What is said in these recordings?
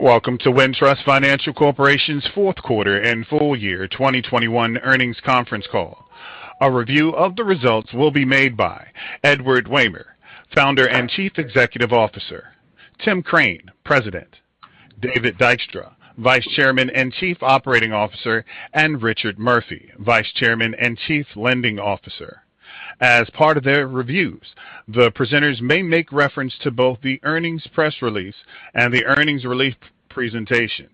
Welcome to Wintrust Financial Corporation's fourth quarter and full year 2021 earnings conference call. A review of the results will be made by Edward Wehmer, Founder and Chief Executive Officer, Tim Crane, President, David Dykstra, Vice Chairman and Chief Operating Officer, and Richard Murphy, Vice Chairman and Chief Lending Officer. As part of their reviews, the presenters may make reference to both the earnings press release and the earnings release presentation.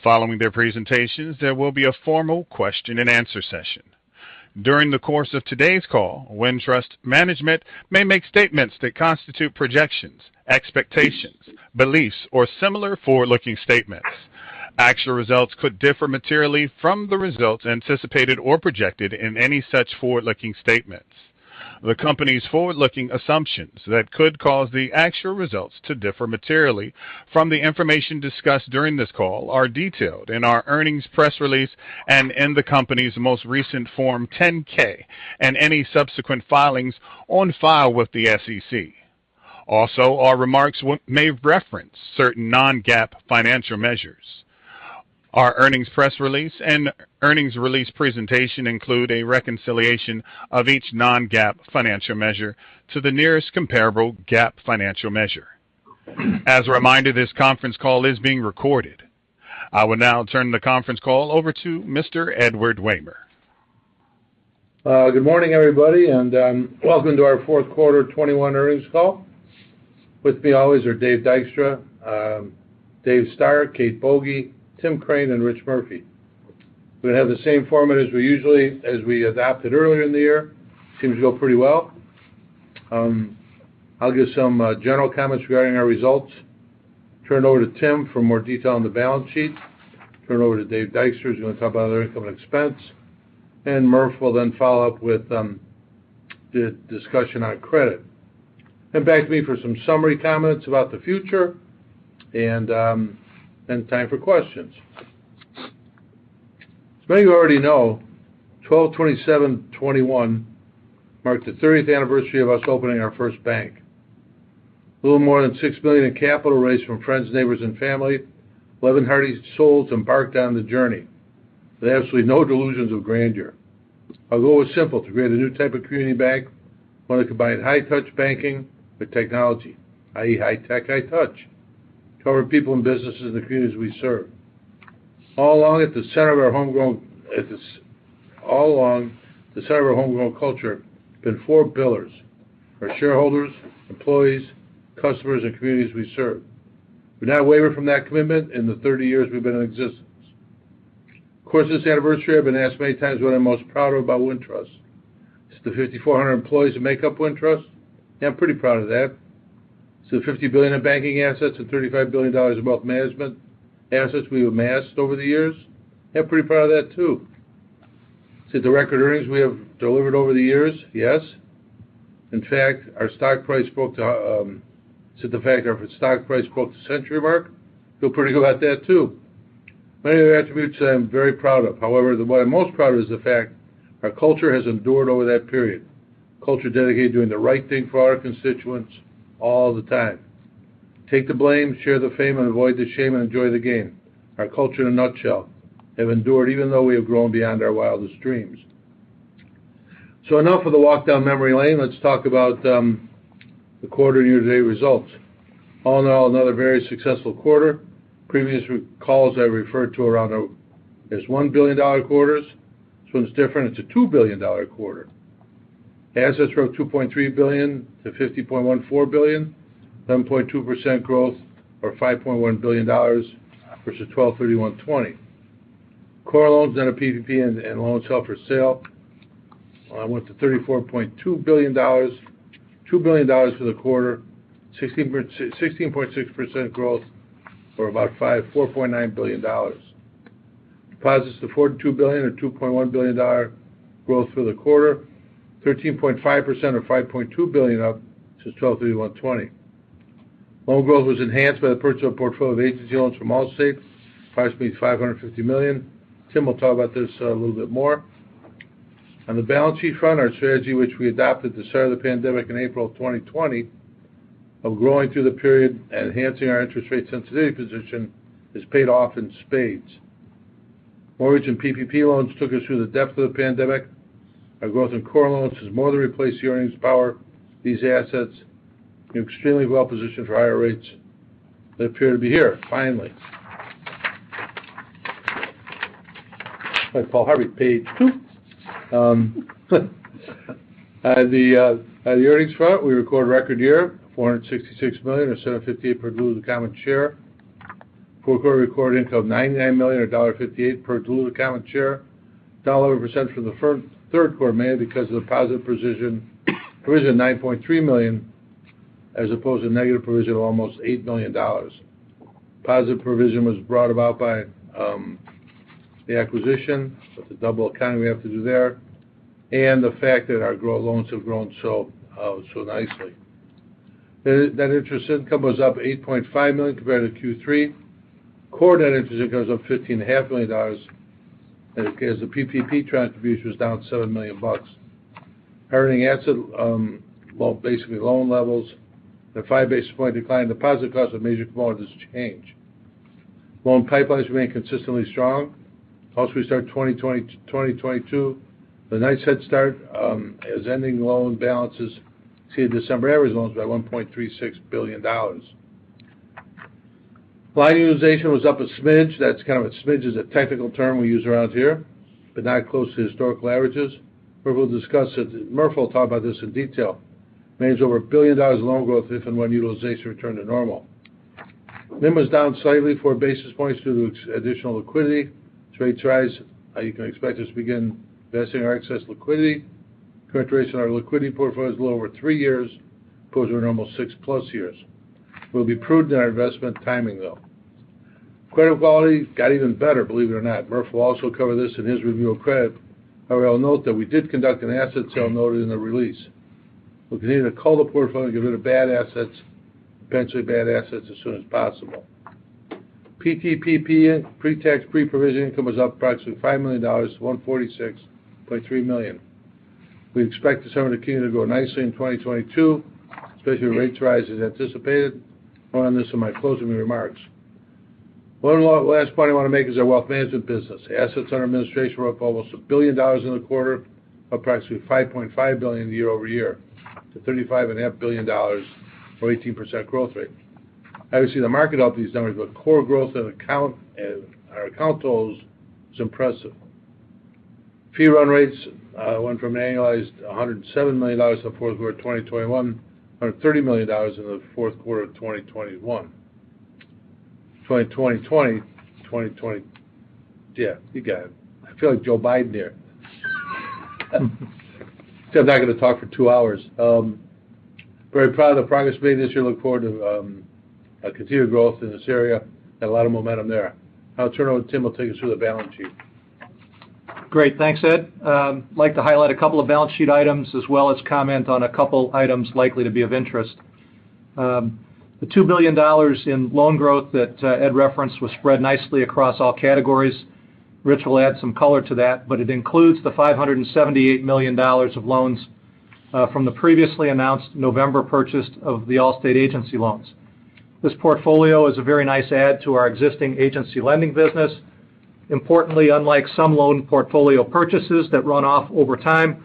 Following their presentations, there will be a formal question-and-answer session. During the course of today's call, Wintrust management may make statements that constitute projections, expectations, beliefs, or similar forward-looking statements. Actual results could differ materially from the results anticipated or projected in any such forward-looking statements. The company's forward-looking assumptions that could cause the actual results to differ materially from the information discussed during this call are detailed in our earnings press release and in the company's most recent Form 10-K and any subsequent filings on file with the SEC. Also, our remarks may reference certain non-GAAP financial measures. Our earnings press release and earnings release presentation include a reconciliation of each non-GAAP financial measure to the nearest comparable GAAP financial measure. As a reminder, this conference call is being recorded. I will now turn the conference call over to Mr. Edward Wehmer. Good morning, everybody, and welcome to our fourth quarter 2021 earnings call. With me always are Dave Dykstra, Dave Stoehr, Kate Boege, Tim Crane, and Rich Murphy. We have the same format as we adapted earlier in the year. Seems to go pretty well. I'll give some general comments regarding our results. Turn it over to Tim for more detail on the balance sheet. Turn over to Dave Dykstra, who's going to talk about other income and expense. Murph will then follow up with the discussion on credit. Back to me for some summary comments about the future and then time for questions. As many of you already know, 12/27/2021 marked the 30th anniversary of us opening our first bank. A little more than $6 million in capital raised from friends, neighbors, and family, 11 hardy souls embarked on the journey. They had absolutely no delusions of grandeur. Our goal was simple, to create a new type of community bank, one that combined high-touch banking with technology, i.e., high tech, high touch, to serve people and businesses in the communities we serve. All along, the center of our homegrown culture have been four pillars, our shareholders, employees, customers, and communities we serve. We've not wavered from that commitment in the 30 years we've been in existence. Of course, this anniversary, I've been asked many times what I'm most proud of about Wintrust. Is it the 5,400 employees that make up Wintrust? Yeah, I'm pretty proud of that. Is it the $50 billion in banking assets and $35 billion of wealth management assets we have amassed over the years? Yeah, I'm pretty proud of that too. Is it the record earnings we have delivered over the years? Yes. In fact, is it the fact that our stock price broke the century mark? I feel pretty good about that too. Many of the attributes I am very proud of. However, what I'm most proud of is the fact our culture has endured over that period. Culture dedicated to doing the right thing for our constituents all the time. Take the blame, share the fame, avoid the shame, and enjoy the gain. Our culture in a nutshell have endured even though we have grown beyond our wildest dreams. Enough of the walk down memory lane. Let's talk about the quarter and year-to-date results. All in all, another very successful quarter. Previous calls I referred to around there's one billion-dollar quarters. This one's different. It's a two billion-dollar quarter. Assets grew $2.3 billion to $50.14 billion. 7.2% growth or $5.1 billion versus 12/31/2020. Core loans and PPP and loans held for sale went to $34.2 billion. $2 billion for the quarter. 16.6% growth for about $4.9 billion. Deposits to $42 billion or $2.1 billion growth through the quarter. 13.5% or $5.2 billion up since 12/31/2020. Loan growth was enhanced by the purchase of a portfolio of agency loans from Allstate, approximately $550 million. Tim will talk about this a little bit more. On the balance sheet front, our strategy, which we adopted at the start of the pandemic in April 2020, of growing through the period and enhancing our interest rate sensitivity position has paid off in spades. Mortgage and PPP loans took us through the depth of the pandemic. Our growth in core loans has more than replaced the earnings power of these assets. We're extremely well-positioned for higher rates that appear to be here finally. Like Paul Harvey, page two. At the earnings front, we recorded a record year, $466 million or $7.58 per diluted common share. Fourth quarter recorded income of $99 million or $1.58 per diluted common share. Dollar over percent from the third quarter mainly because of the positive provision $9.3 million as opposed to a negative provision of almost $8 million. Positive provision was brought about by the acquisition with the double accounting we have to do there and the fact that our loans have grown so nicely. Net interest income was up $8.5 million compared to Q3. Core net interest income was up $15.5 million as the PPP contribution was down $7 million. Earning asset well basically loan levels at 5 basis point decline. Deposit costs of major commodities change. Loan pipelines remain consistently strong. We start 2022 with a nice head start as ending loan balances exceed December average loans by $1.36 billion. Line utilization was up a smidge. That's kind of a smidge is a technical term we use around here, but not close to historical averages. We'll discuss it. Murph will talk about this in detail. Manages over $1 billion in loan growth if and when utilization return to normal. NIM was down slightly 4 basis points due to ex-additional liquidity. This is how you can expect us to begin investing our excess liquidity. Current rates on our liquidity portfolio is a little over three years, opposed to a normal six plus years. We'll be prudent in our investment timing, though. Credit quality got even better, believe it or not. Murph will also cover this in his review of credit. I'll note that we did conduct an asset sale noted in the release. We continue to cull the portfolio to get rid of bad assets, potentially bad assets, as soon as possible. PTPP, pre-tax pre-provision income, was up approximately $5 million to $146.3 million. We expect this to continue to grow nicely in 2022, especially if rates rise as anticipated. More on this in my closing remarks. One last point I wanna make is our wealth management business. Assets under administration were up almost $1 billion in the quarter, up approximately $5.5 billion year-over-year to $35.5 billion for 18% growth rate. Obviously, the market helped these numbers, but core growth and our account totals is impressive. Fee run rates went from annualized $107 million in the fourth quarter of 2020, $130 million in the fourth quarter of 2021. Yeah, you got it. I feel like Joe Biden here. Still not gonna talk for two hours. Very proud of the progress made this year. Look forward to continued growth in this area. Had a lot of momentum there. Now I'll turn it over to Tim, who will take us through the balance sheet. Great. Thanks, Ed. I'd like to highlight a couple of balance sheet items as well as comment on a couple items likely to be of interest. The $2 billion in loan growth that Ed referenced was spread nicely across all categories. Rich will add some color to that, but it includes the $578 million of loans from the previously announced November purchase of the Allstate agency loans. This portfolio is a very nice add to our existing agency lending business. Importantly, unlike some loan portfolio purchases that run off over time,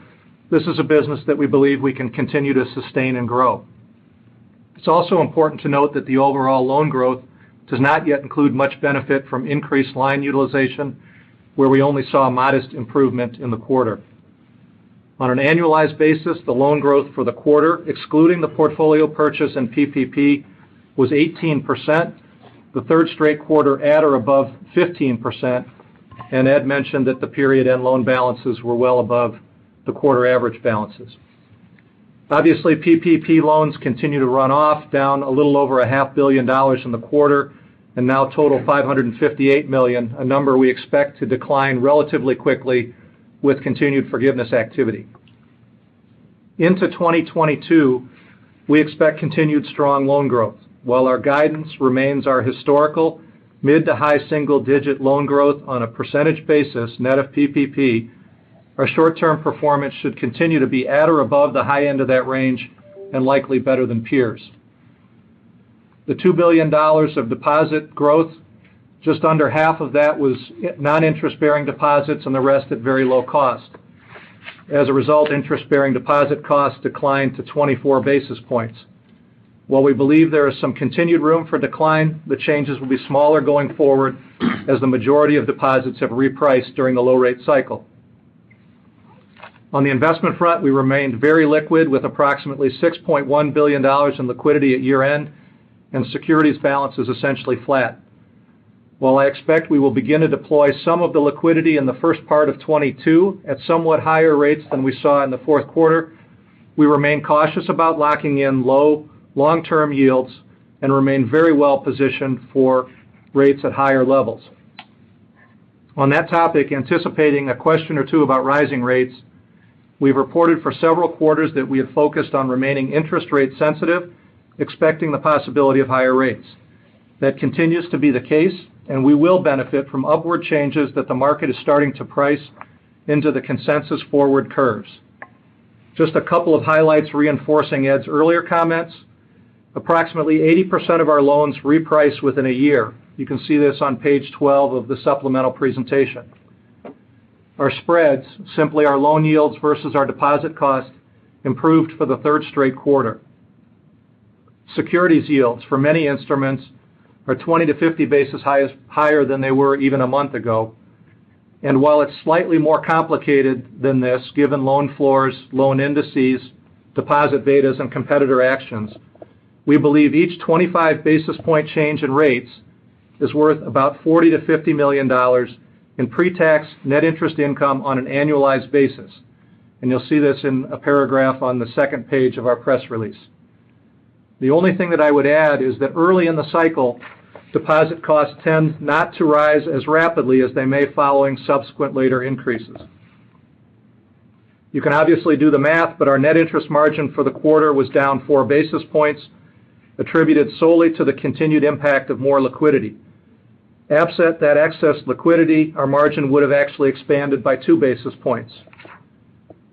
this is a business that we believe we can continue to sustain and grow. It's also important to note that the overall loan growth does not yet include much benefit from increased line utilization, where we only saw a modest improvement in the quarter. On an annualized basis, the loan growth for the quarter, excluding the portfolio purchase and PPP, was 18%, the third straight quarter at or above 15% and Ed mentioned that the period-end loan balances were well above the quarter average balances. Obviously, PPP loans continue to run off, down a little over a half billion dollars in the quarter, and now total $558 million, a number we expect to decline relatively quickly with continued forgiveness activity. Into 2022, we expect continued strong loan growth. While our guidance remains our historical mid to high single digit loan growth on a percentage basis net of PPP, our short-term performance should continue to be at or above the high end of that range and likely better than peers. The $2 billion of deposit growth, just under half of that was non-interest-bearing deposits and the rest at very low cost. As a result, interest-bearing deposit costs declined to 24 basis points. While we believe there is some continued room for decline, the changes will be smaller going forward as the majority of deposits have repriced during the low rate cycle. On the investment front, we remained very liquid with approximately $6.1 billion in liquidity at year-end and securities balances essentially flat. While I expect we will begin to deploy some of the liquidity in the first part of 2022 at somewhat higher rates than we saw in the fourth quarter, we remain cautious about locking in low long-term yields and remain very well-positioned for rates at higher levels. On that topic, anticipating a question or two about rising rates, we've reported for several quarters that we have focused on remaining interest rate sensitive, expecting the possibility of higher rates. That continues to be the case, and we will benefit from upward changes that the market is starting to price into the consensus forward curves. Just a couple of highlights reinforcing Ed's earlier comments. Approximately 80% of our loans reprice within a year. You can see this on page 12 of the supplemental presentation. Our spreads, simply our loan yields versus our deposit cost, improved for the third straight quarter. Securities yields for many instruments are 20-50 basis points higher than they were even a month ago. While it's slightly more complicated than this, given loan floors, loan indices, deposit betas, and competitor actions, we believe each 25 basis point change in rates is worth about $40 million-$50 million in pre-tax net interest income on an annualized basis. You'll see this in a paragraph on the second page of our press release. The only thing that I would add is that early in the cycle, deposit costs tend not to rise as rapidly as they may following subsequent later increases. You can obviously do the math, but our net interest margin for the quarter was down 4 basis points, attributed solely to the continued impact of more liquidity. Absent that excess liquidity, our margin would have actually expanded by 2 basis points.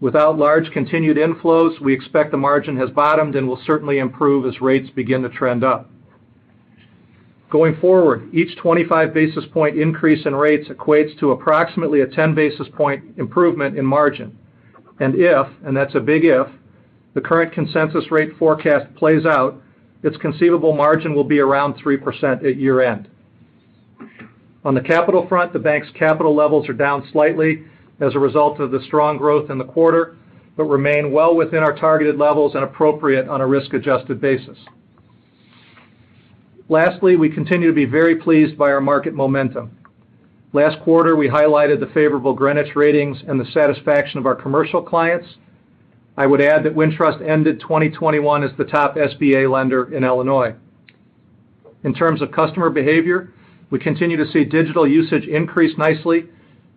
Without large continued inflows, we expect the margin has bottomed and will certainly improve as rates begin to trend up. Going forward, each 25 basis point increase in rates equates to approximately a 10 basis point improvement in margin. If, and that's a big if, the current consensus rate forecast plays out, it's conceivable margin will be around 3% at year-end. On the capital front, the bank's capital levels are down slightly as a result of the strong growth in the quarter, but remain well within our targeted levels and appropriate on a risk-adjusted basis. Lastly, we continue to be very pleased by our market momentum. Last quarter, we highlighted the favorable Greenwich ratings and the satisfaction of our commercial clients. I would add that Wintrust ended 2021 as the top SBA lender in Illinois. In terms of customer behavior, we continue to see digital usage increase nicely.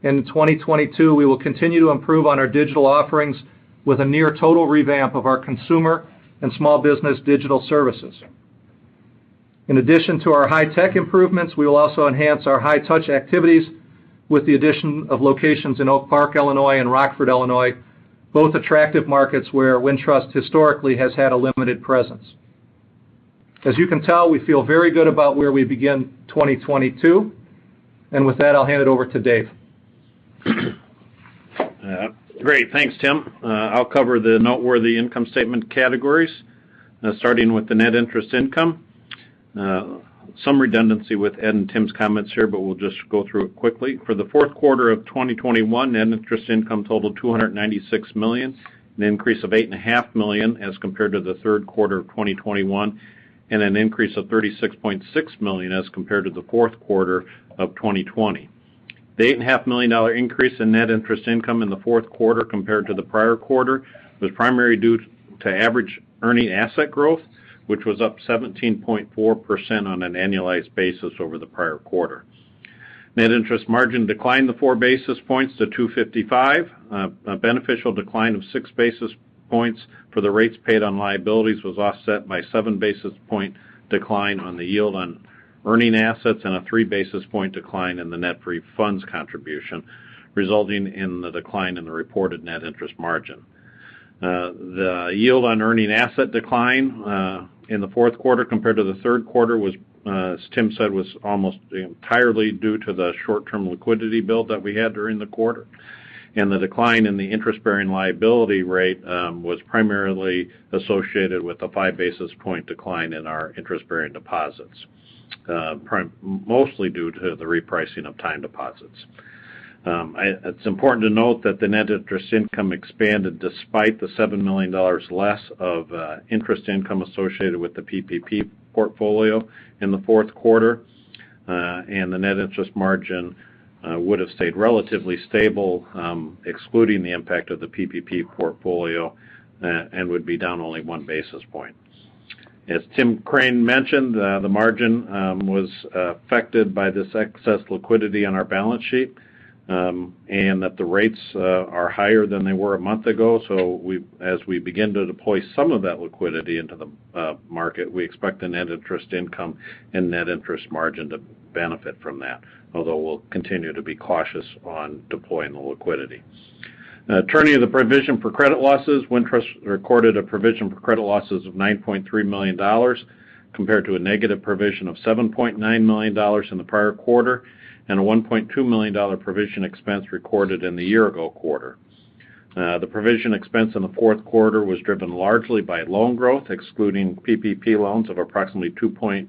In 2022, we will continue to improve on our digital offerings with a near total revamp of our consumer and small business digital services. In addition to our high-tech improvements, we will also enhance our high-touch activities with the addition of locations in Oak Park, Illinois, and Rockford, Illinois, both attractive markets where Wintrust historically has had a limited presence. As you can tell, we feel very good about where we begin 2022. With that, I'll hand it over to Dave. Great. Thanks, Tim. I'll cover the noteworthy income statement categories, starting with the net interest income. Some redundancy with Ed and Tim's comments here, but we'll just go through it quickly. For the fourth quarter of 2021, net interest income totaled $296 million, an increase of $8.5 million as compared to the third quarter of 2021, and an increase of $36.6 million as compared to the fourth quarter of 2020. The $8.5 million increase in net interest income in the fourth quarter compared to the prior quarter was primarily due to average earning asset growth, which was up 17.4% on an annualized basis over the prior quarter. Net interest margin declined 4 basis points to 255. A beneficial decline of 6 basis points for the rates paid on liabilities was offset by 7 basis point decline on the yield on earning assets and a 3 basis point decline in the net refunds contribution, resulting in the decline in the reported net interest margin. The yield on earning asset decline in the fourth quarter compared to the third quarter was, as Tim said, almost entirely due to the short-term liquidity build that we had during the quarter. The decline in the interest-bearing liability rate was primarily associated with a 5 basis point decline in our interest-bearing deposits, mostly due to the repricing of time deposits. It's important to note that the net interest income expanded despite the $7 million less of interest income associated with the PPP portfolio in the fourth quarter, and the net interest margin would have stayed relatively stable, excluding the impact of the PPP portfolio, and would be down only one basis point. As Tim Crane mentioned, the margin was affected by this excess liquidity on our balance sheet, and that the rates are higher than they were a month ago. As we begin to deploy some of that liquidity into the market, we expect the net interest income and net interest margin to benefit from that, although we'll continue to be cautious on deploying the liquidity. Now turning to the provision for credit losses. Wintrust recorded a provision for credit losses of $9.3 million, compared to a negative provision of $7.9 million in the prior quarter, and a $1.2 million provision expense recorded in the year-ago quarter. The provision expense in the fourth quarter was driven largely by loan growth, excluding PPP loans of approximately $2.0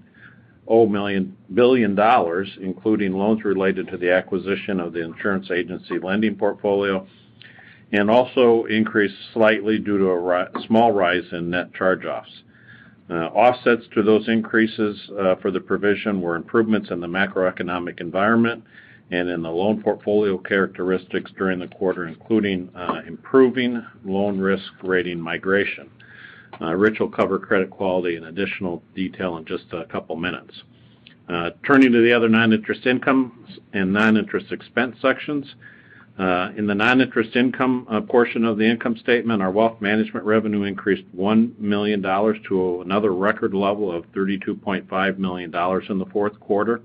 billion, including loans related to the acquisition of the insurance agency lending portfolio, and also increased slightly due to a small rise in net charge-offs. Offsets to those increases for the provision were improvements in the macroeconomic environment and in the loan portfolio characteristics during the quarter, including improving loan risk rating migration. Rich will cover credit quality in additional detail in just a couple minutes. Turning to the other non-interest income and non-interest expense sections. In the non-interest income portion of the income statement, our wealth management revenue increased $1 million to another record level of $32.5 million in the fourth quarter,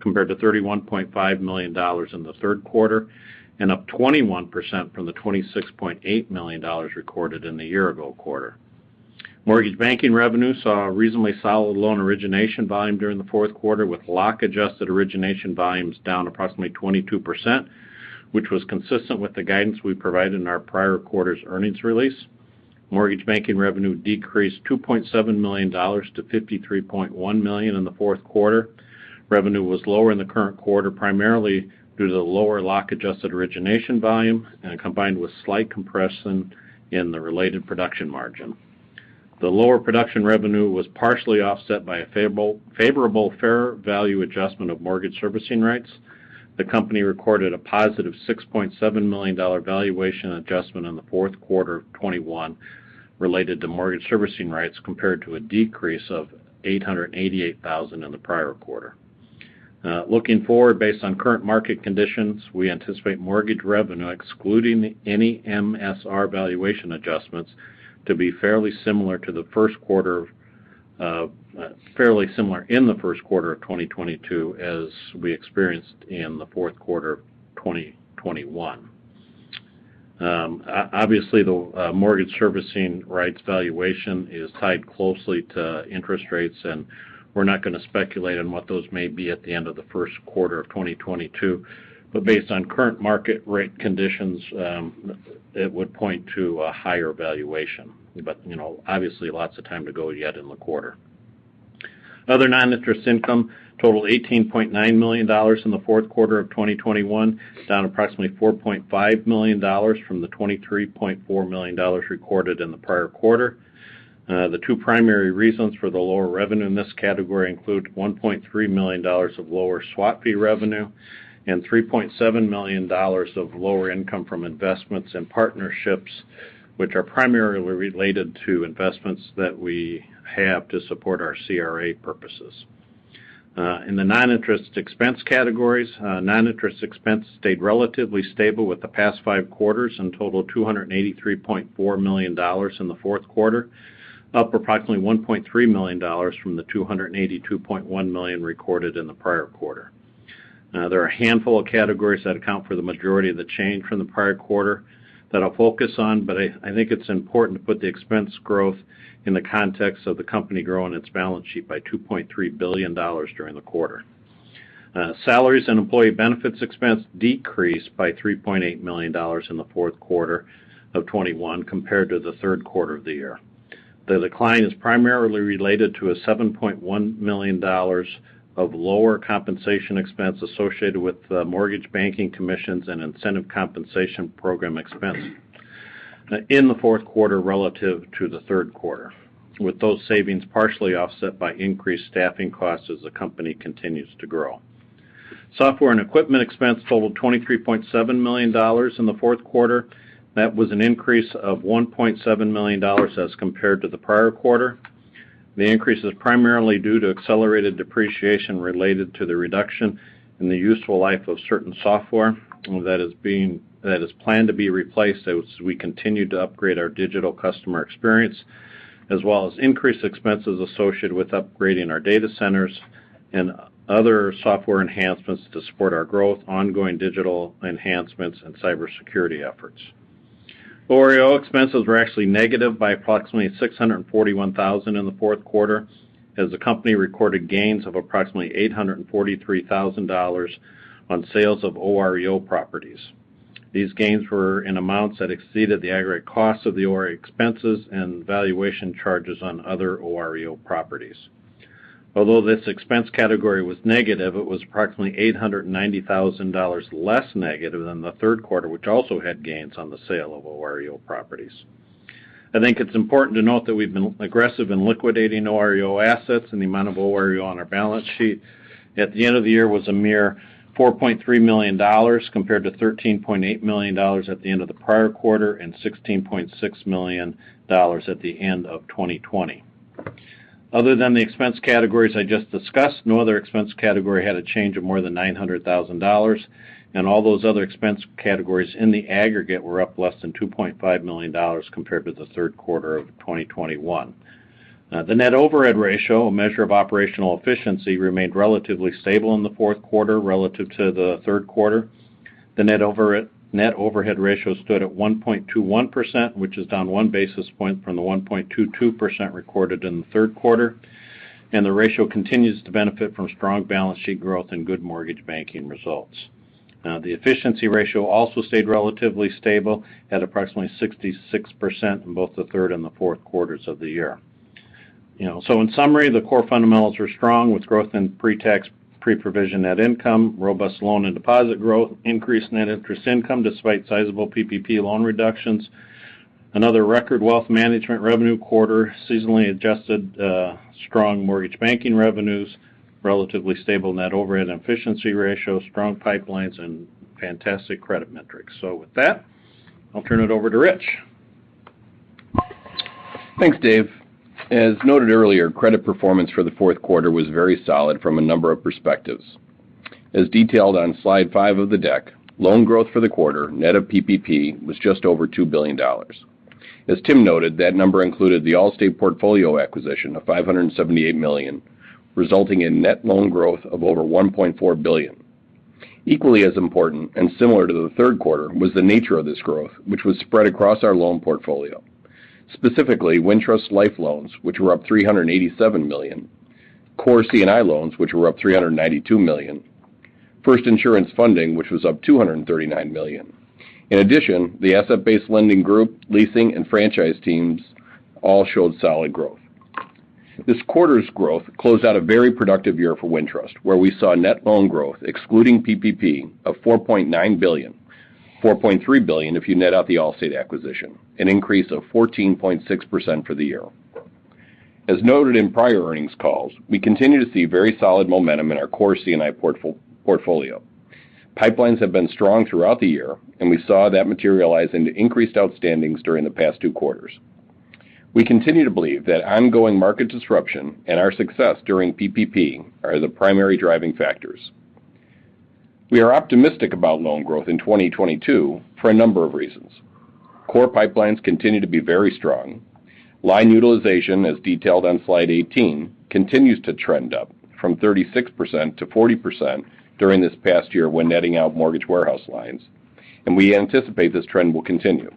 compared to $31.5 million in the third quarter, and up 21% from the $26.8 million recorded in the year-ago quarter. Mortgage banking revenue saw a reasonably solid loan origination volume during the fourth quarter, with lock-adjusted origination volumes down approximately 22%, which was consistent with the guidance we provided in our prior quarter's earnings release. Mortgage banking revenue decreased $2.7 million to $53.1 million in the fourth quarter. Revenue was lower in the current quarter, primarily due to the lower lock-adjusted origination volume and combined with slight compression in the related production margin. The lower production revenue was partially offset by a favorable fair value adjustment of mortgage servicing rights. The company recorded a positive $6.7 million valuation adjustment in the fourth quarter of 2021 related to mortgage servicing rights, compared to a decrease of $888,000 in the prior quarter. Looking forward, based on current market conditions, we anticipate mortgage revenue, excluding any MSR valuation adjustments, to be fairly similar in the first quarter of 2022 as we experienced in the fourth quarter of 2021. Obviously, the mortgage servicing rights valuation is tied closely to interest rates, and we're not gonna speculate on what those may be at the end of the first quarter of 2022. Based on current market rate conditions, it would point to a higher valuation. You know, obviously, lots of time to go yet in the quarter. Other non-interest income totaled $18.9 million in the fourth quarter of 2021, down approximately $4.5 million from the $23.4 million recorded in the prior quarter. The two primary reasons for the lower revenue in this category include $1.3 million of lower swap fee revenue and $3.7 million of lower income from investments and partnerships, which are primarily related to investments that we have to support our CRA purposes. In the non-interest expense categories, non-interest expense stayed relatively stable with the past five quarters and totaled $283.4 million in the fourth quarter, up approximately $1.3 million from the $282.1 million recorded in the prior quarter. Now, there are a handful of categories that account for the majority of the change from the prior quarter that I'll focus on, but I think it's important to put the expense growth in the context of the company growing its balance sheet by $2.3 billion during the quarter. Salaries and employee benefits expense decreased by $3.8 million in the fourth quarter of 2021 compared to the third quarter of the year. The decline is primarily related to $7.1 million of lower compensation expense associated with the mortgage banking commissions and incentive compensation program expense in the fourth quarter relative to the third quarter, with those savings partially offset by increased staffing costs as the company continues to grow. Software and equipment expense totaled $23.7 million in the fourth quarter. That was an increase of $1.7 million as compared to the prior quarter. The increase is primarily due to accelerated depreciation related to the reduction in the useful life of certain software that is planned to be replaced as we continue to upgrade our digital customer experience, as well as increased expenses associated with upgrading our data centers and other software enhancements to support our growth, ongoing digital enhancements, and cybersecurity efforts. OREO expenses were actually negative by approximately $641,000 in the fourth quarter, as the company recorded gains of approximately $843,000 on sales of OREO properties. These gains were in amounts that exceeded the aggregate cost of the OREO expenses and valuation charges on other OREO properties. Although this expense category was negative, it was approximately $890,000 less negative than the third quarter, which also had gains on the sale of OREO properties. I think it's important to note that we've been aggressive in liquidating OREO assets, and the amount of OREO on our balance sheet at the end of the year was a mere $4.3 million, compared to $13.8 million at the end of the prior quarter and $16.6 million at the end of 2020. Other than the expense categories I just discussed, no other expense category had a change of more than $900,000, and all those other expense categories in the aggregate were up less than $2.5 million compared to the third quarter of 2021. The net overhead ratio, a measure of operational efficiency, remained relatively stable in the fourth quarter relative to the third quarter. The net overhead ratio stood at 1.21%, which is down one basis point from the 1.22% recorded in the third quarter and the ratio continues to benefit from strong balance sheet growth and good mortgage banking results. Now the efficiency ratio also stayed relatively stable at approximately 66% in both the third and the fourth quarters of the year. In summary, the core fundamentals were strong with growth in pre-tax, pre-provision net income, robust loan and deposit growth, increased net interest income despite sizable PPP loan reductions. Another record wealth management revenue quarter, seasonally adjusted, strong mortgage banking revenues, relatively stable net overhead and efficiency ratio, strong pipelines, and fantastic credit metrics. With that, I'll turn it over to Rich. Thanks, Dave. As noted earlier, credit performance for the fourth quarter was very solid from a number of perspectives. As detailed on slide five of the deck, loan growth for the quarter, net of PPP, was just over $2 billion. As Tim noted, that number included the Allstate portfolio acquisition of $578 million, resulting in net loan growth of over $1.4 billion. Equally as important and similar to the third quarter, was the nature of this growth, which was spread across our loan portfolio. Specifically, Wintrust Life Finance loans, which were up $387 million, core C&I loans, which were up $392 million, FIRST Insurance Funding, which was up $239 million. In addition, the asset-based lending group, leasing, and franchise teams all showed solid growth. This quarter's growth closed out a very productive year for Wintrust, where we saw net loan growth, excluding PPP, of $4.9 billion, $4.3 billion if you net out the Allstate acquisition, an increase of 14.6% for the year. As noted in prior earnings calls, we continue to see very solid momentum in our core C&I portfolio. Pipelines have been strong throughout the year, and we saw that materialize into increased outstandings during the past two quarters. We continue to believe that ongoing market disruption and our success during PPP are the primary driving factors. We are optimistic about loan growth in 2022 for a number of reasons. Core pipelines continue to be very strong. Line utilization, as detailed on slide 18, continues to trend up from 36%-40% during this past year when netting out mortgage warehouse lines, and we anticipate this trend will continue.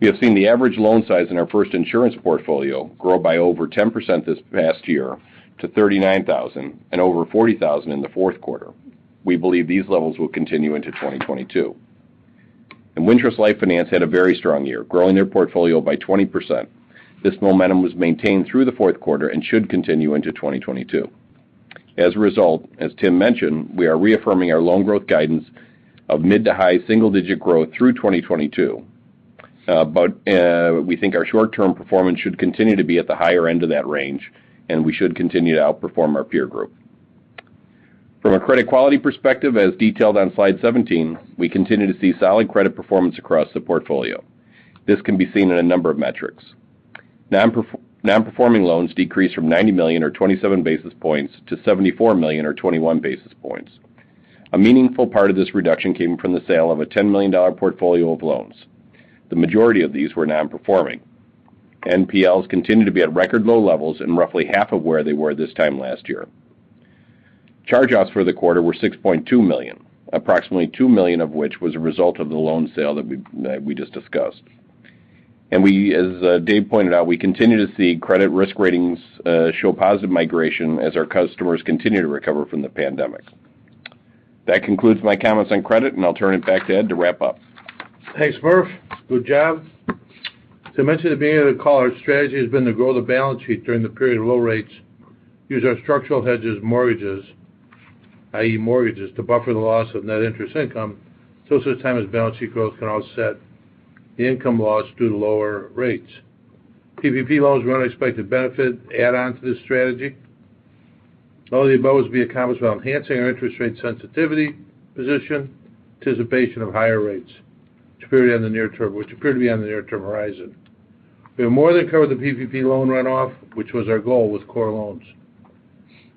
We have seen the average loan size in our FIRST Insurance portfolio grow by over 10% this past year to $39,000 and over $40,000 in the fourth quarter. We believe these levels will continue into 2022. Wintrust Life Finance had a very strong year, growing their portfolio by 20%. This momentum was maintained through the fourth quarter and should continue into 2022. As a result, as Tim mentioned, we are reaffirming our loan growth guidance of mid- to high single-digit growth through 2022. We think our short-term performance should continue to be at the higher end of that range, and we should continue to outperform our peer group. From a credit quality perspective, as detailed on slide 17, we continue to see solid credit performance across the portfolio. This can be seen in a number of metrics. Nonperforming loans decreased from $90 million or 27 basis points to $74 million or 21 basis points. A meaningful part of this reduction came from the sale of a $10 million portfolio of loans. The majority of these were nonperforming. NPLs continue to be at record low levels and roughly half of where they were this time last year. Charge-offs for the quarter were $6.2 million, approximately $2 million of which was a result of the loan sale that we just discussed. We, as Dave pointed out, we continue to see credit risk ratings show positive migration as our customers continue to recover from the pandemic. That concludes my comments on credit, and I'll turn it back to Ed to wrap up. Thanks, Murph. Good job. As I mentioned at the beginning of the call, our strategy has been to grow the balance sheet during the period of low rates, use our structural hedges mortgages, i.e. mortgages, to buffer the loss of net interest income until such time as balance sheet growth can offset the income loss due to lower rates. PPP loans were unexpected benefit add-on to this strategy. All of the above was to be accomplished while enhancing our interest rate sensitivity position in anticipation of higher rates to appear on the near term, which appear to be on the near-term horizon. We have more than covered the PPP loan runoff, which was our goal with core loans.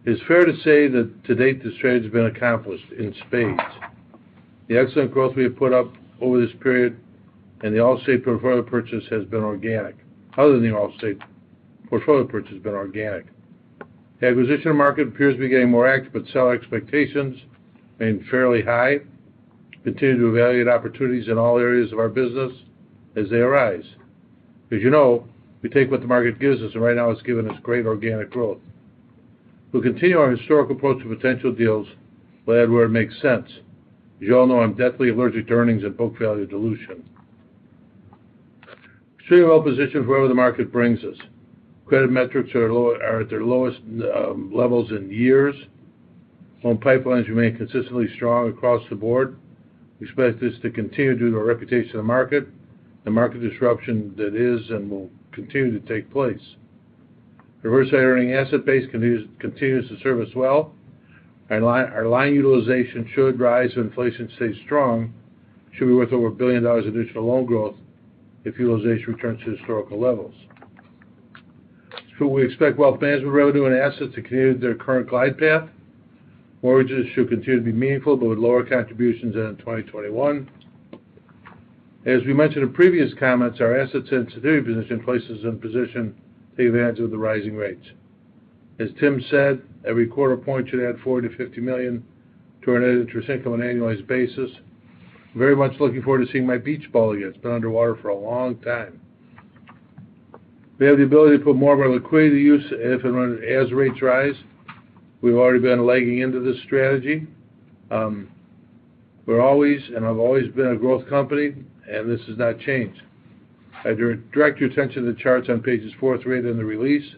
It's fair to say that to date, the strategy has been accomplished in spades. The excellent growth we have put up over this period and the Allstate portfolio purchase has been organic. Other than the Allstate portfolio purchase, [growth] has been organic. The acquisition market appears to be getting more active, but seller expectations remain fairly high. We continue to evaluate opportunities in all areas of our business as they arise. As you know, we take what the market gives us, and right now it's given us great organic growth. We'll continue our historical approach to potential deals, but add where it makes sense. As you all know, I'm deathly allergic to earnings and book value dilution. I'm sure you're well-positioned for wherever the market brings us. Credit metrics are at their lowest levels in years. Loan pipelines remain consistently strong across the board. We expect this to continue due to our reputation in the market, the market disruption that is and will continue to take place. Our servicing asset base continues to serve us well. Our line, our line utilization should rise if inflation stays strong, should be worth over $1 billion additional loan growth if utilization returns to historical levels. We expect wealth management revenue and assets to continue their current glide path. Mortgages should continue to be meaningful, but with lower contributions than in 2021. As we mentioned in previous comments, our asset sensitivity position places us in position to take advantage of the rising rates. As Tim said, every quarter point should add $4 million-$50 million to our net interest income on an annualized basis. I'm very much looking forward to seeing my beach ball again. It's been underwater for a long time. We have the ability to put more of our liquidity to use if and when as rates rise. We've already been legging into this strategy. We're always and have always been a growth company, and this has not changed. I'd direct your attention to the charts on pages 4 through 8 in the release.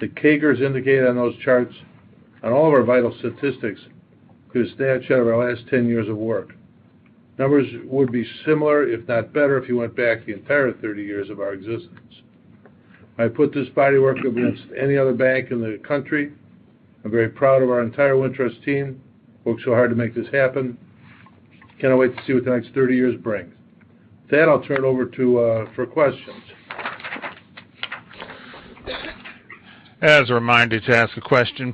The CAGRs indicated on those charts on all of our vital statistics could stand out from our last 10 years of work. Numbers would be similar, if not better, if you went back the entire 30 years of our existence. I put this body of work against any other bank in the country. I'm very proud of our entire Wintrust team, worked so hard to make this happen. Cannot wait to see what the next 30 years brings. With that, I'll turn it over to the operator for questions. Our first question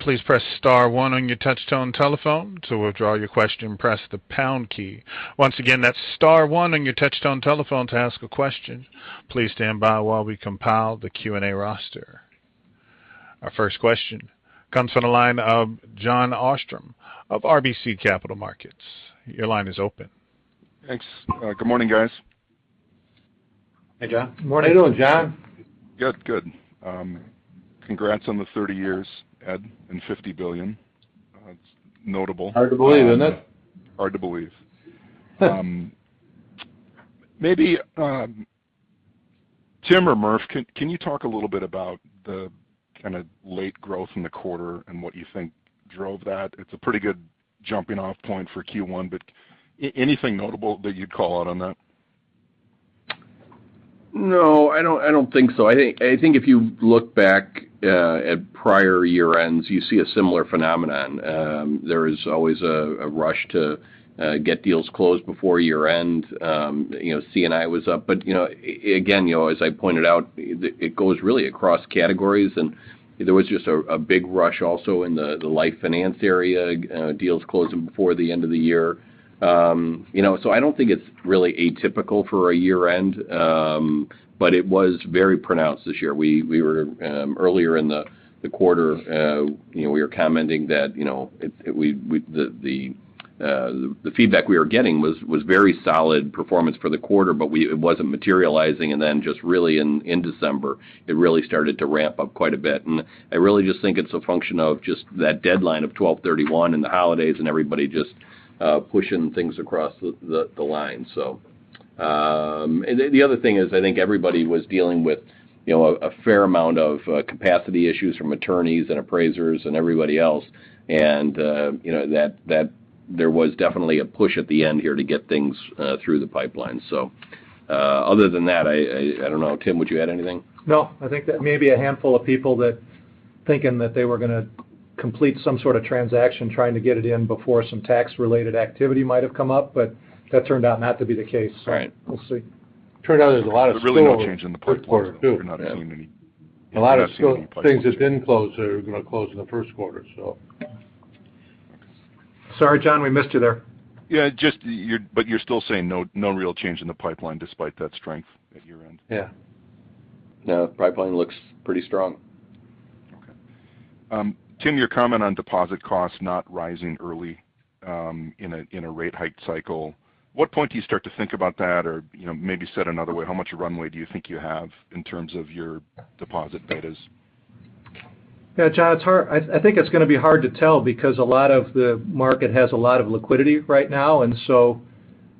comes from the line of Jon Arfstrom of RBC Capital Markets. Your line is open. Thanks. Good morning, guys. Hey, Jon. Good morning, Jon. Good, good. Congrats on the 30 years, Ed, and $50 billion. It's notable. Hard to believe, isn't it? Hard to believe. Maybe, Tim or Murph, can you talk a little bit about the kind of late growth in the quarter and what you think drove that? It's a pretty good jumping off point for Q1 but anything notable that you'd call out on that? No, I don't think so. I think if you look back at prior year ends, you see a similar phenomenon. There is always a rush to get deals closed before year-end. C&I was up, but you know, again, you know, as I pointed out, it goes really across categories. There was just a big rush also in the life finance area, deals closing before the end of the year. You know, I don't think it's really atypical for a year end, but it was very pronounced this year. We were earlier in the quarter, you know, we were commenting that, you know, the feedback we were getting was very solid performance for the quarter, but it wasn't materializing. Just really in December, it really started to ramp up quite a bit. I really just think it's a function of just that deadline of twelve thirty-one and the holidays and everybody just pushing things across the line. The other thing is I think everybody was dealing with you know a fair amount of capacity issues from attorneys and appraisers and everybody else. You know there was definitely a push at the end here to get things through the pipeline. Other than that, I don't know. Tim, would you add anything? No. I think that may be a handful of people that thinking that they were gonna complete some sort of transaction, trying to get it in before some tax-related activity might have come up, but that turned out not to be the case. Right. We'll see. turned out there's a lot of first quarter too. really no change in the pipeline though. You're not seeing any- A lot of still things that didn't close are gonna close in the first quarter, so. Sorry, Jon, we missed you there. Yeah, but you're still saying no real change in the pipeline despite that strength at year-end? Yeah. No, pipeline looks pretty strong. Okay. Tim, your comment on deposit costs not rising early in a rate hike cycle. At what point do you start to think about that? Or, you know, maybe said another way, how much runway do you think you have in terms of your deposit betas? Yeah, John, it's hard. I think it's gonna be hard to tell because a lot of the market has a lot of liquidity right now.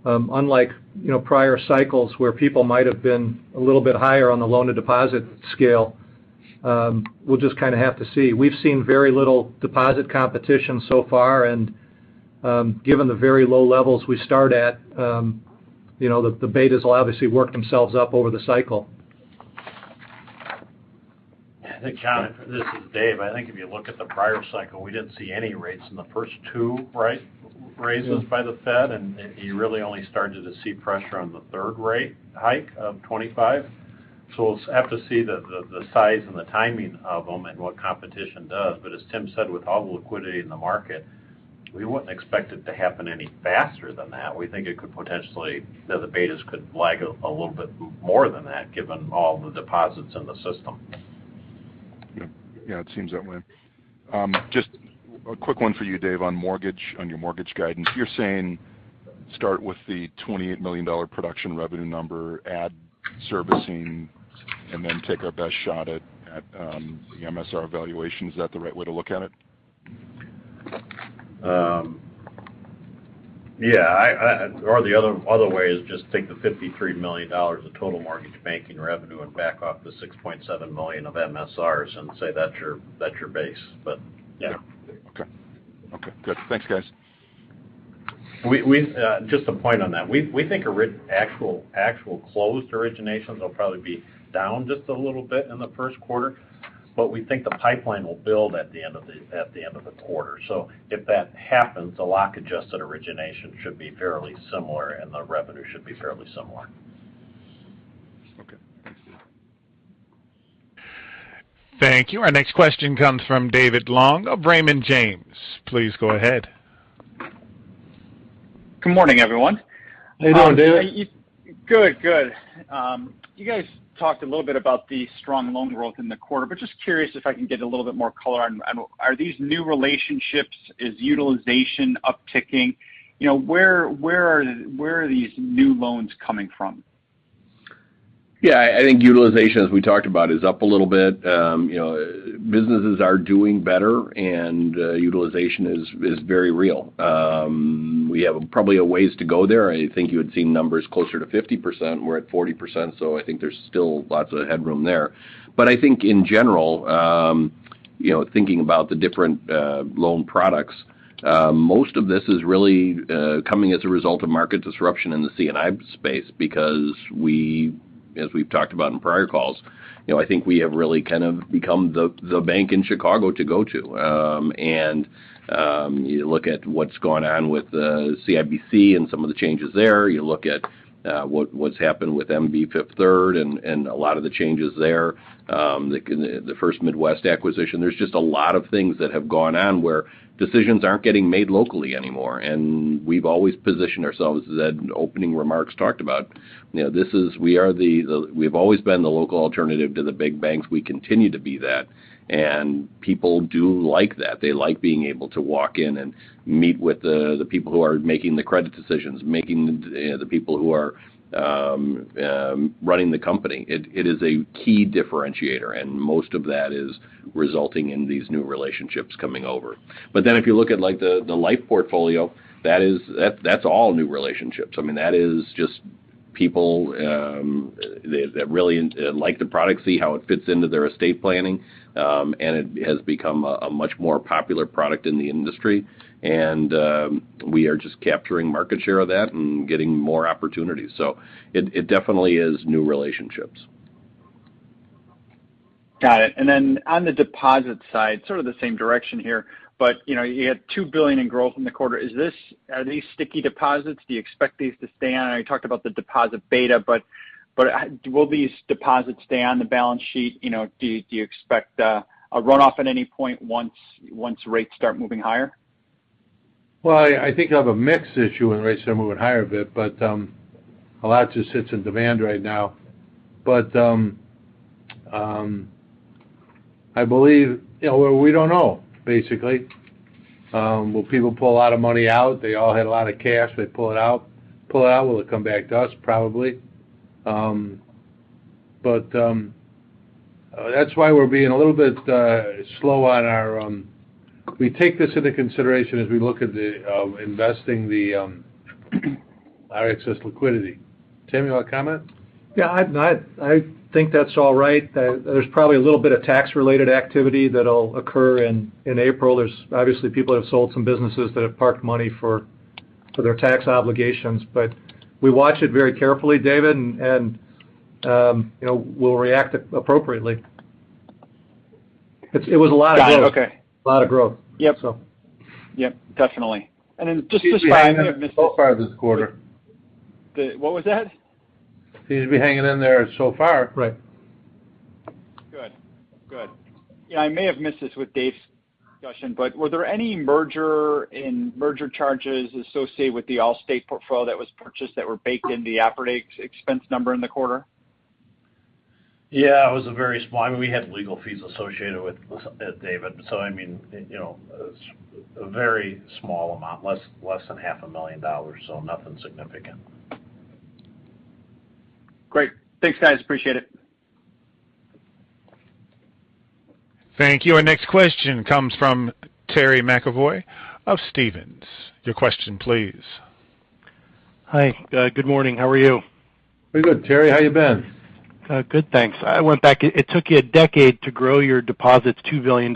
Unlike, you know, prior cycles where people might have been a little bit higher on the loan to deposit scale, we'll just kind of have to see. We've seen very little deposit competition so far. Given the very low levels we start at, you know, the betas will obviously work themselves up over the cycle. Jon, this is Dave. I think if you look at the prior cycle, we didn't see any rates in the first two rate raises by the Fed, and you really only started to see pressure on the third rate hike of 25. We'll have to see the size and the timing of them and what competition does. As Tim said, with all the liquidity in the market, we wouldn't expect it to happen any faster than that. We think it could potentially, you know, the betas could lag a little bit more than that given all the deposits in the system. Yeah. Yeah, it seems that way. Just a quick one for you, Dave, on mortgage, on your mortgage guidance. You're saying start with the $28 million production revenue number, add servicing, and then take our best shot at the MSR valuation. Is that the right way to look at it? Yeah. The other way is just take the $53 million of total mortgage banking revenue and back off the $6.7 million of MSRs and say that's your base. But yeah. Okay, good. Thanks, guys. Just a point on that. We think actual closed originations will probably be down just a little bit in the first quarter, but we think the pipeline will build at the end of the quarter. If that happens, the lock adjusted origination should be fairly similar, and the revenue should be fairly similar. Okay. Thanks, Dave. Thank you. Our next question comes from David Long of Raymond James. Please go ahead. Good morning, everyone. How you doing, David? Good, good. You guys talked a little bit about the strong loan growth in the quarter, but just curious if I can get a little bit more color on whether these are new relationships? Is utilization upticking? You know, where are these new loans coming from? Yeah. I think utilization, as we talked about, is up a little bit. You know, businesses are doing better, and utilization is very real. We have probably a ways to go there. I think you would see numbers closer to 50%. We're at 40%, so I think there's still lots of headroom there. I think in general, you know, thinking about the different loan products, most of this is really coming as a result of market disruption in the C&I space because we, as we've talked about in prior calls, you know, I think we have really kind of become the bank in Chicago to go to. You look at what's going on with CIBC and some of the changes there. You look at what's happened with MB Financial and Fifth Third and a lot of the changes there, the First Midwest acquisition. There's just a lot of things that have gone on where decisions aren't getting made locally anymore. We've always positioned ourselves, as Ed in opening remarks talked about, you know, we've always been the local alternative to the big banks. We continue to be that, and people do like that. They like being able to walk in and meet with the people who are making the credit decisions, you know, the people who are running the company. It is a key differentiator, and most of that is resulting in these new relationships coming over. If you look at, like, the life portfolio, that's all new relationships. I mean, that is just people that really like the product, see how it fits into their estate planning. It has become a much more popular product in the industry, and we are just capturing market share of that and getting more opportunities. It definitely is new relationships. Got it. Then on the deposit side, sort of the same direction here, but, you know, you had $2 billion in growth in the quarter. Are these sticky deposits? Do you expect these to stay on? I know you talked about the deposit beta, but, will these deposits stay on the balance sheet? You know, do you expect a runoff at any point once rates start moving higher? Well, I think I have a NIM issue when rates are moving higher a bit, but a lot just sits in demand right now. I believe you know, we don't know, basically. Will people pull a lot of money out? They all had a lot of cash. They pull it out. Will it come back to us? Probably. That's why we're being a little bit slow. We take this into consideration as we look at investing our excess liquidity. Tim, you want to comment? Yeah, I think that's all right. There's probably a little bit of tax-related activity that'll occur in April. There's obviously people have sold some businesses that have parked money for their tax obligations. But we watch it very carefully, David, and you know, we'll react appropriately. It was a lot of growth. Got it. Okay. A lot of growth. Yep. So. Yep, definitely. Seemed to be hanging in there so far this quarter. What was that? Seemed to be hanging in there so far. Right. Good. Yeah, I may have missed this with Dave's discussion, but were there any merger charges associated with the Allstate portfolio that was purchased that were baked in the operating expense number in the quarter? Yeah, it was a very small. I mean, we had legal fees associated with it, David. I mean, you know, a very small amount, less than half a million dollars, so nothing significant. Great. Thanks, guys. Appreciate it. Thank you. Our next question comes from Terry McEvoy of Stephens. Your question, please. Hi. Good morning. How are you? Pretty good, Terry. How you been? Good, thanks. I went back. It took you a decade to grow your deposits $2 billion.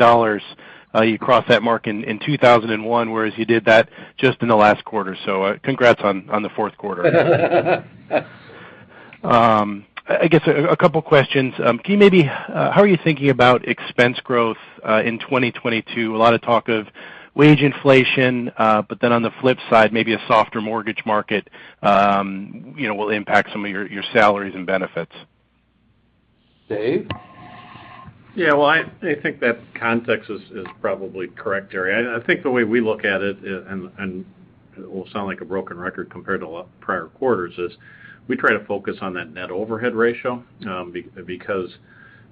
You crossed that mark in 2001, whereas you did that just in the last quarter. Congrats on the fourth quarter. I guess a couple questions. How are you thinking about expense growth in 2022? A lot of talk of wage inflation but then on the flip side, maybe a softer mortgage market, you know, will impact some of your salaries and benefits. Dave? Yeah, well, I think that context is probably correct, Terry. I think the way we look at it and it will sound like a broken record compared to prior quarters, is we try to focus on that net overhead ratio because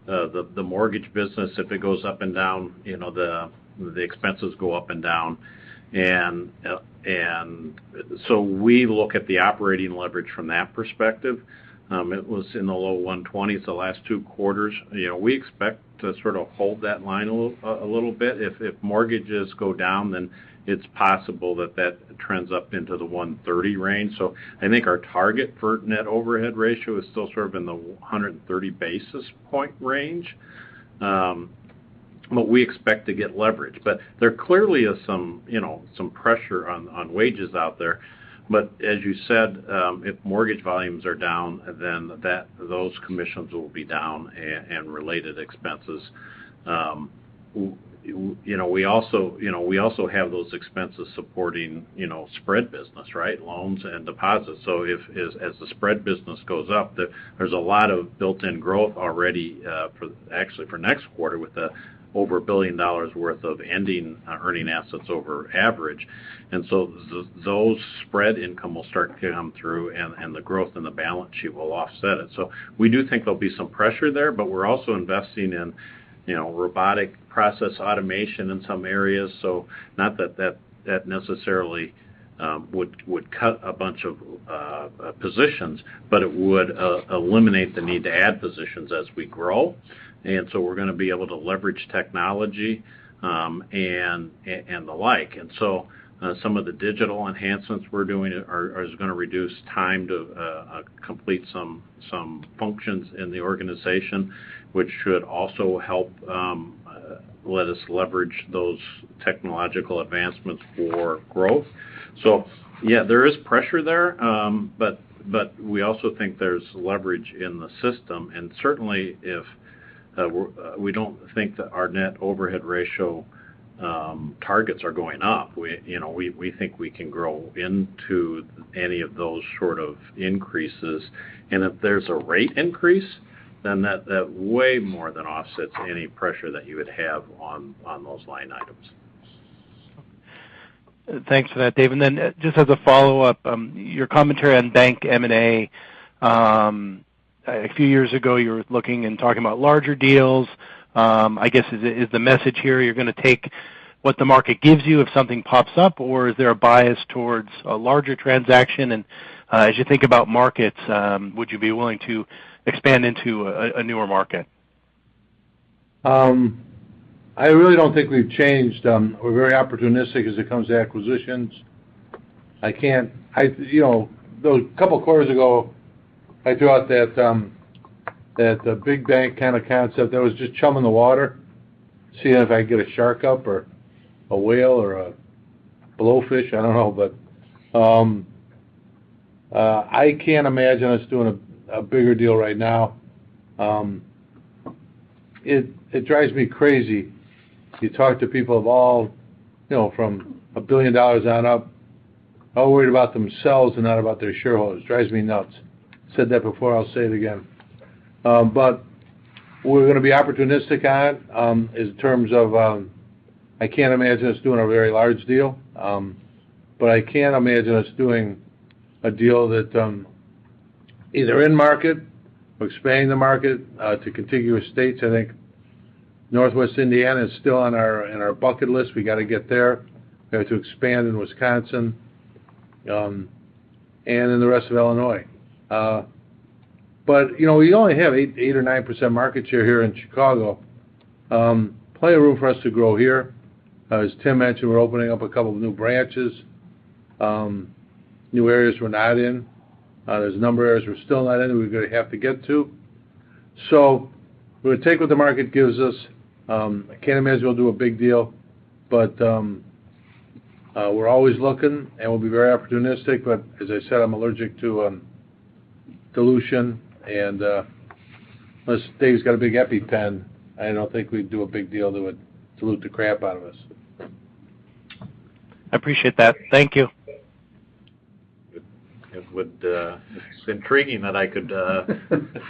the mortgage business, if it goes up and down, you know, the expenses go up and down. We look at the operating leverage from that perspective. It was in the low 120 the last two quarters. You know, we expect to sort of hold that line a little bit. If mortgages go down, then it's possible that that trends up into the 130 range. I think our target for net overhead ratio is still sort of in the 130 basis point range. We expect to get leverage. There clearly is some, you know, some pressure on wages out there. As you said, if mortgage volumes are down, then those commissions will be down and related expenses. You know, we also, you know, we also have those expenses supporting, you know, spread business, right? Loans and deposits. If as the spread business goes up, there's a lot of built-in growth already for next quarter with over $1 billion worth of ending earning assets over average. Those spread income will start to come through and the growth in the balance sheet will offset it. We do think there'll be some pressure there, but we're also investing in, you know, robotic process automation in some areas. Not that necessarily would cut a bunch of positions, but it would eliminate the need to add positions as we grow. We're going to be able to leverage technology and the like. Some of the digital enhancements we're doing are just going to reduce time to complete some functions in the organization, which should also help let us leverage those technological advancements for growth. Yeah, there is pressure there. But we also think there's leverage in the system. Certainly we don't think that our net overhead ratio targets are going up. We, you know, think we can grow into any of those sort of increases. If there's a rate increase, then that way more than offsets any pressure that you would have on those line items. Thanks for that, Dave. Just as a follow-up, your commentary on bank M&A. A few years ago, you were looking and talking about larger deals. I guess, is the message here you're going to take what the market gives you if something pops up, or is there a bias towards a larger transaction? As you think about markets, would you be willing to expand into a newer market? I really don't think we've changed. We're very opportunistic as it comes to acquisitions. You know, those couple quarters ago, I threw out that big bank kind of concept. That was just chumming the water, seeing if I could get a shark up or a whale or a blowfish. I don't know. I can't imagine us doing a bigger deal right now. It drives me crazy. You talk to people of all, you know, from $1 billion on up, all worried about themselves and not about their shareholders. Drives me nuts. Said that before, I'll say it again. We're gonna be opportunistic on it, in terms of, I can't imagine us doing a very large deal, but I can imagine us doing a deal that, either in market or expanding the market, to contiguous states. I think Northwest Indiana is still on our bucket list. We gotta get there. We have to expand in Wisconsin, and in the rest of Illinois. You know, we only have 8% or 9% market share here in Chicago. Plenty of room for us to grow here. As Tim mentioned, we're opening up a couple of new branches, new areas we're not in. There's a number of areas we're still not in, we're gonna have to get to. We'll take what the market gives us. I can't imagine we'll do a big deal, but we're always looking, and we'll be very opportunistic. As I said, I'm allergic to dilution and unless Dave's got a big EpiPen, I don't think we'd do a big deal that would dilute the crap out of us. I appreciate that. Thank you. It's intriguing that I could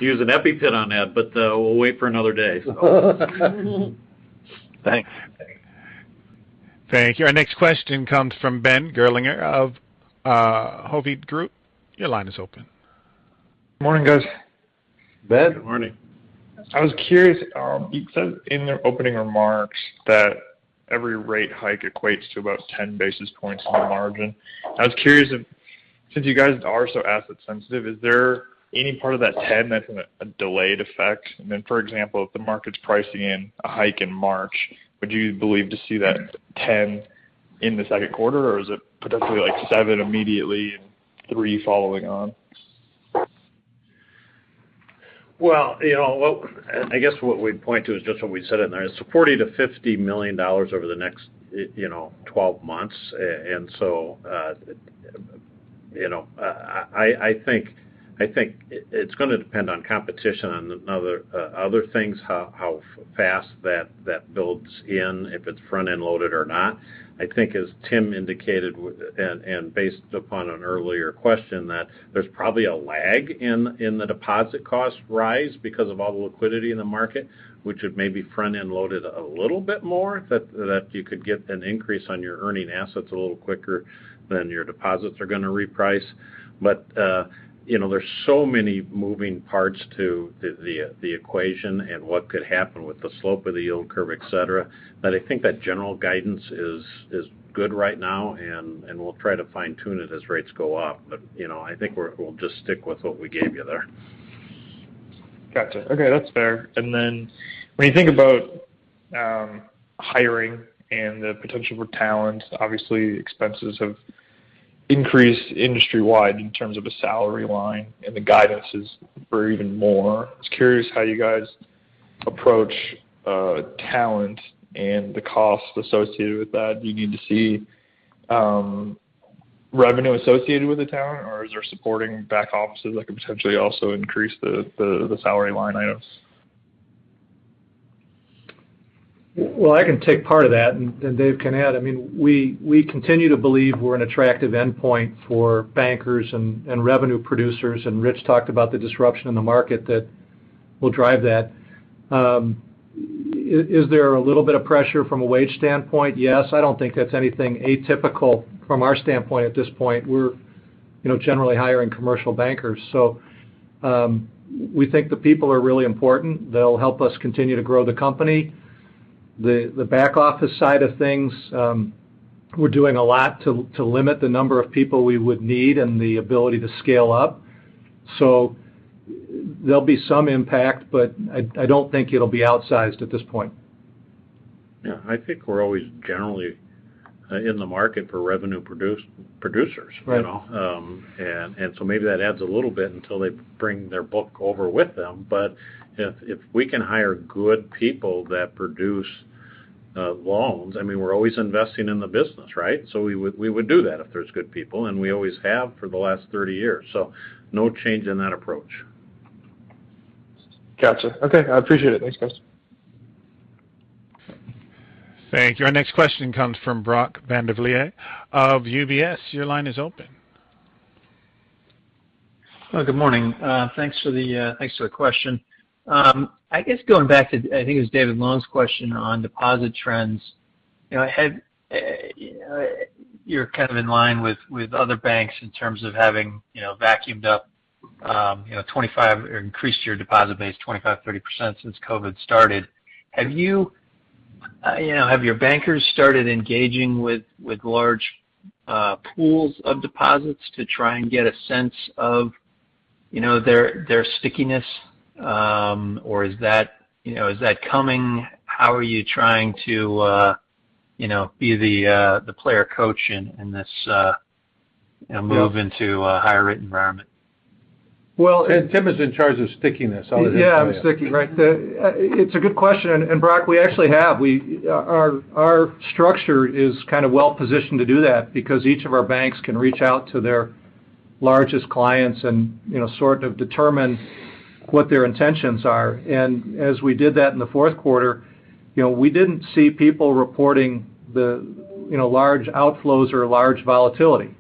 use an EpiPen on that, but we'll wait for another day, so. Thanks. Thank you. Our next question comes from Ben Gerlinger of Hovde Group. Your line is open. Morning, guys. Ben. Good morning. I was curious. You said in the opening remarks that every rate hike equates to about 10 basis points on the margin. I was curious if, since you guys are so asset sensitive, is there any part of that 10 that's in a delayed effect? I mean, for example, if the market's pricing in a hike in March, would you expect to see that 10 in the second quarter? Or is it potentially like seven immediately and three following on? Well, you know, I guess what we'd point to is just what we said in there. It's $40 million-$50 million over the next, you know, 12 months. You know, I think it's gonna depend on competition on other things, how fast that builds in, if it's front-end loaded or not. I think as Tim indicated with it and based upon an earlier question, that there's probably a lag in the deposit cost rise because of all the liquidity in the market, which would maybe front-end loaded a little bit more, that you could get an increase on your earning assets a little quicker than your deposits are gonna reprice. You know, there's so many moving parts to the equation and what could happen with the slope of the yield curve, et cetera. I think that general guidance is good right now, and we'll try to fine-tune it as rates go up. You know, I think we'll just stick with what we gave you there. Gotcha. Okay, that's fair. Then when you think about hiring and the potential for talent, obviously expenses have increased industry-wide in terms of the salary line and the guidances for even more. I was curious how you guys approach talent and the cost associated with that. Do you need to see revenue associated with the talent, or is there supporting back offices that could potentially also increase the salary line items? Well, I can take part of that, and Dave can add. I mean, we continue to believe we're an attractive endpoint for bankers and revenue producers, and Rich talked about the disruption in the market that will drive that. Is there a little bit of pressure from a wage standpoint? Yes. I don't think that's anything atypical from our standpoint at this point. We're, you know, generally hiring commercial bankers, so we think the people are really important. They'll help us continue to grow the company. The back office side of things, we're doing a lot to limit the number of people we would need and the ability to scale up. So there'll be some impact, but I don't think it'll be outsized at this point. Yeah. I think we're always generally in the market for revenue producers, you know. Right. Maybe that adds a little bit until they bring their book over with them. But if we can hire good people that produce loans, I mean, we're always investing in the business, right? We would do that if there's good people, and we always have for the last 30 years. No change in that approach. Gotcha. Okay, I appreciate it. Thanks, guys. Thank you. Our next question comes from Brody Preston of UBS. Your line is open. Well, good morning. Thanks for the question. I guess going back to, I think it was David Long's question on deposit trends. You know, have you kind of in line with other banks in terms of having, you know, vacuumed up 25, or increased your deposit base 25-30% since COVID started. Have you know, have your bankers started engaging with large pools of deposits to try and get a sense of, you know, their stickiness? Or is that, you know, is that coming? How are you trying to, you know, be the player coach in this, you know, move into a higher rate environment? Well- Tim is in charge of stickiness other than me. Yeah, I'm sticky, right. It's a good question. Brody, we actually have our structure is kind of well-positioned to do that because each of our banks can reach out to their largest clients and, you know, sort of determine what their intentions are. As we did that in the fourth quarter, you know, we didn't see people reporting the, you know, large outflows or large volatility.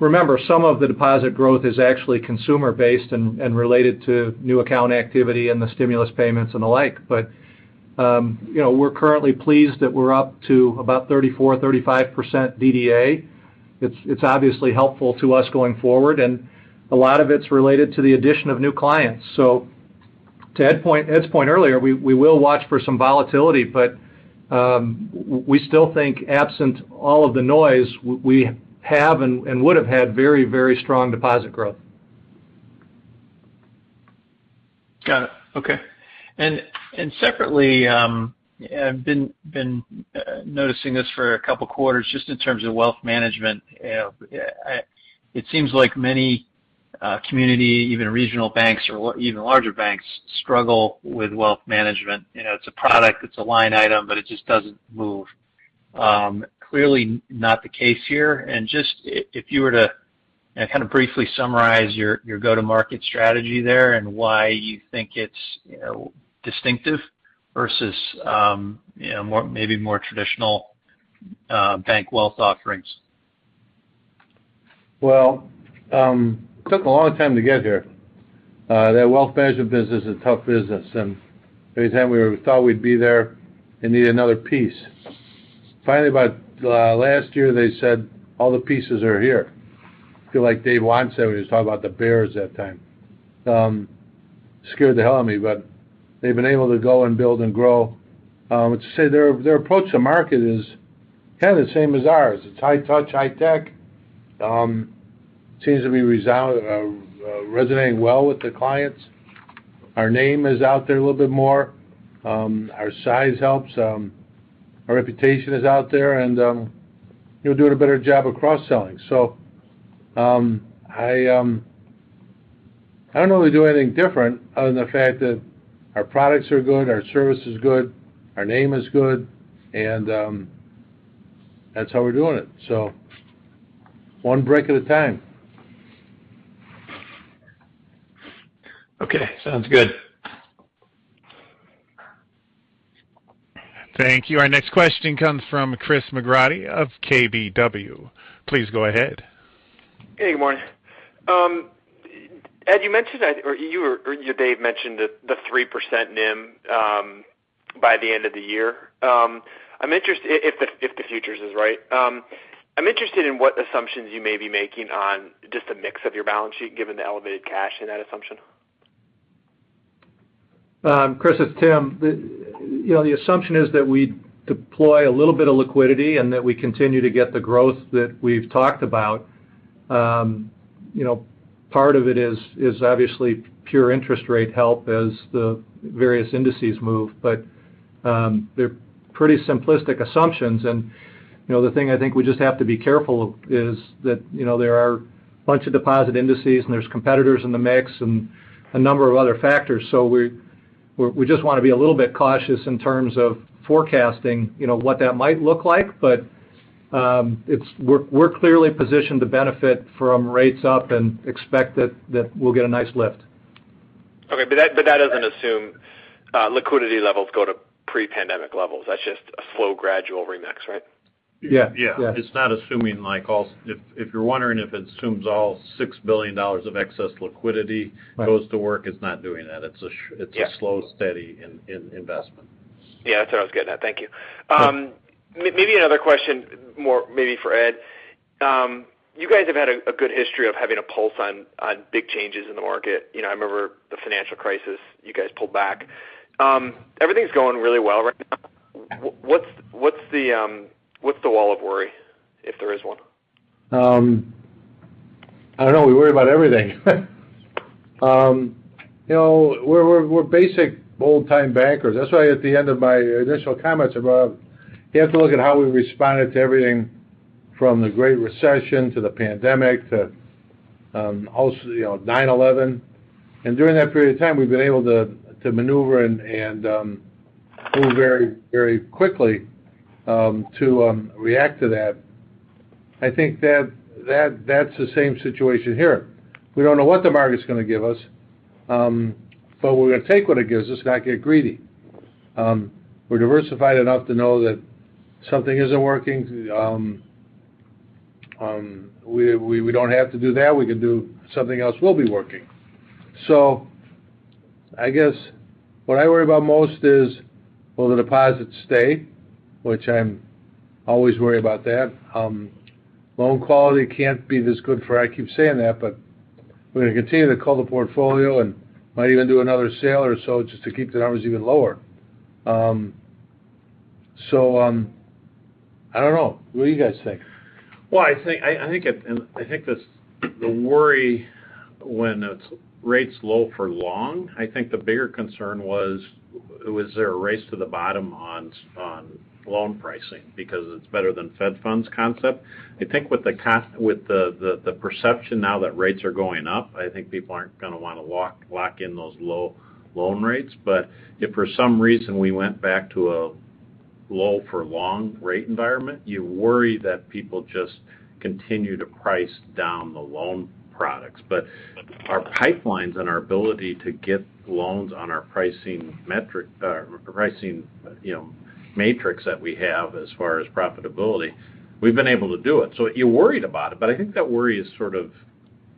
Remember, some of the deposit growth is actually consumer-based and related to new account activity and the stimulus payments and the like. You know, we're currently pleased that we're up to about 34%-35% DDA. It's obviously helpful to us going forward, and a lot of it's related to the addition of new clients. To Ed's point earlier, we will watch for some volatility but we still think absent all of the noise, we have and would have had very, very strong deposit growth. Got it. Okay. Separately, I've been noticing this for a couple quarters just in terms of wealth management. It seems like many community, even regional banks or even larger banks struggle with wealth management. You know, it's a product, it's a line item, but it just doesn't move. Clearly not the case here. Just if you were to kind of briefly summarize your go-to-market strategy there and why you think it's, you know, distinctive versus, you know, more maybe more traditional bank wealth offerings? Well, it took a long time to get here. That wealth management business is a tough business. Every time we thought we'd be there, it need another piece. Finally about last year, they said all the pieces are here. Feels like Dave Wannstedt said when he was talking about the bears that time. Scared the hell out of me, but they've been able to go and build and grow. I would say their approach to market is kind of the same as ours. It's high touch, high tech. Seems to be resonating well with the clients. Our name is out there a little bit more. Our size helps. Our reputation is out there and, you know, doing a better job of cross-selling. I don't know if we do anything different other than the fact that our products are good, our service is good, our name is good, and that's how we're doing it. One brick at a time. Okay. Sounds good. Thank you. Our next question comes from Christopher McGratty of KBW. Please go ahead. Hey, good morning. Ed, you or Dave mentioned the 3% NIM by the end of the year. If the futures is right, I'm interested in what assumptions you may be making on just the mix of your balance sheet, given the elevated cash in that assumption. Chris, it's Tim. The you know the assumption is that we deploy a little bit of liquidity and that we continue to get the growth that we've talked about. You know, part of it is obviously pure interest rate help as the various indices move. They're pretty simplistic assumptions. You know, the thing I think we just have to be careful of is that you know there are a bunch of deposit indices, and there's competitors in the mix and a number of other factors. We just wanna be a little bit cautious in terms of forecasting you know what that might look like. It's. We're clearly positioned to benefit from rates up and expect that we'll get a nice lift. Okay. That doesn't assume liquidity levels go to pre-pandemic levels. That's just a slow gradual remix, right? Yeah. Yeah. It's not assuming, like all. If you're wondering if it assumes all $6 billion of excess liquidity. Right Goes to work, it's not doing that. Yeah It's a slow, steady in investment. Yeah, that's what I was getting at. Thank you. Maybe another question, more for Ed. You guys have had a good history of having a pulse on big changes in the market. You know, I remember the financial crisis, you guys pulled back. Everything's going really well right now. What's the wall of worry, if there is one? I don't know. We worry about everything. You know, we're basic old-time bankers. That's why at the end of my initial comments about you have to look at how we responded to everything from the Great Recession to the pandemic to also, you know, 9/11. During that period of time, we've been able to maneuver and move very, very quickly to react to that. I think that's the same situation here. We don't know what the market's gonna give us, but we're gonna take what it gives us, not get greedy. We're diversified enough to know that if something isn't working, we don't have to do that. We can do something else will be working. I guess what I worry about most is, will the deposits stay? I'm always worry about that. Loan quality can't be this good forever, I keep saying that, but we're gonna continue to cull the portfolio and might even do another sale or so just to keep the numbers even lower. So, I don't know. What do you guys think? Well, I think it, and I think this, the worry when it's rates low for long, I think the bigger concern was- there a race to the bottom on loan pricing because it's better than Fed Funds concept? I think with the perception now that rates are going up, I think people aren't going to want to lock in those low loan rates. If for some reason we went back to a low-for-long rate environment, you worry that people just continue to price down the loan products. Our pipelines and our ability to get loans on our pricing, you know, matrix that we have as far as profitability, we've been able to do it. You're worried about it, but I think that worry is sort of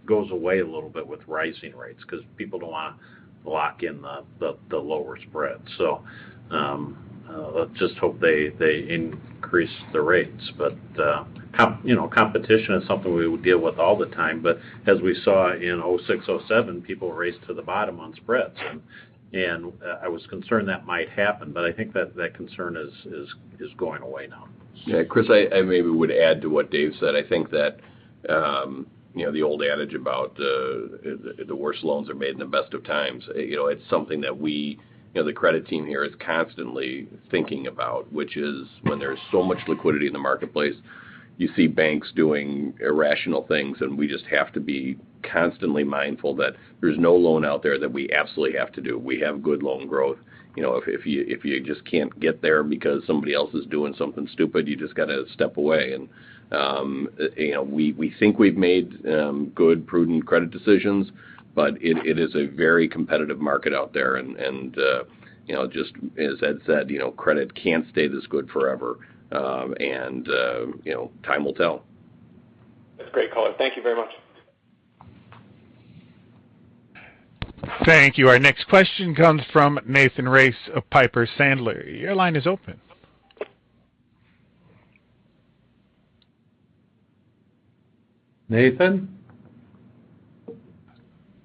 goes away a little bit with rising rates because people don't want to lock in the lower spread. Let's just hope they increase the rates. You know, competition is something we would deal with all the time. As we saw in 2006, 2007, people raced to the bottom on spreads. I was concerned that might happen, but I think that concern is going away now. Yeah. Chris, I maybe would add to what Dave said. I think that, you know, the old adage about the worst loans are made in the best of times. You know, it's something that we, you know, the credit team here is constantly thinking about, which is when there's so much liquidity in the marketplace, you see banks doing irrational things, and we just have to be constantly mindful that there's no loan out there that we absolutely have to do. We have good loan growth. You know, if you just can't get there because somebody else is doing something stupid, you just got to step away. You know, we think we've made good, prudent credit decisions, but it is a very competitive market out there. you know, just as Ed said, you know, credit can't stay this good forever. you know, time will tell. That's a great call. Thank you very much. Thank you. Our next question comes from Nathan Race of Piper Sandler. Your line is open. Nathan?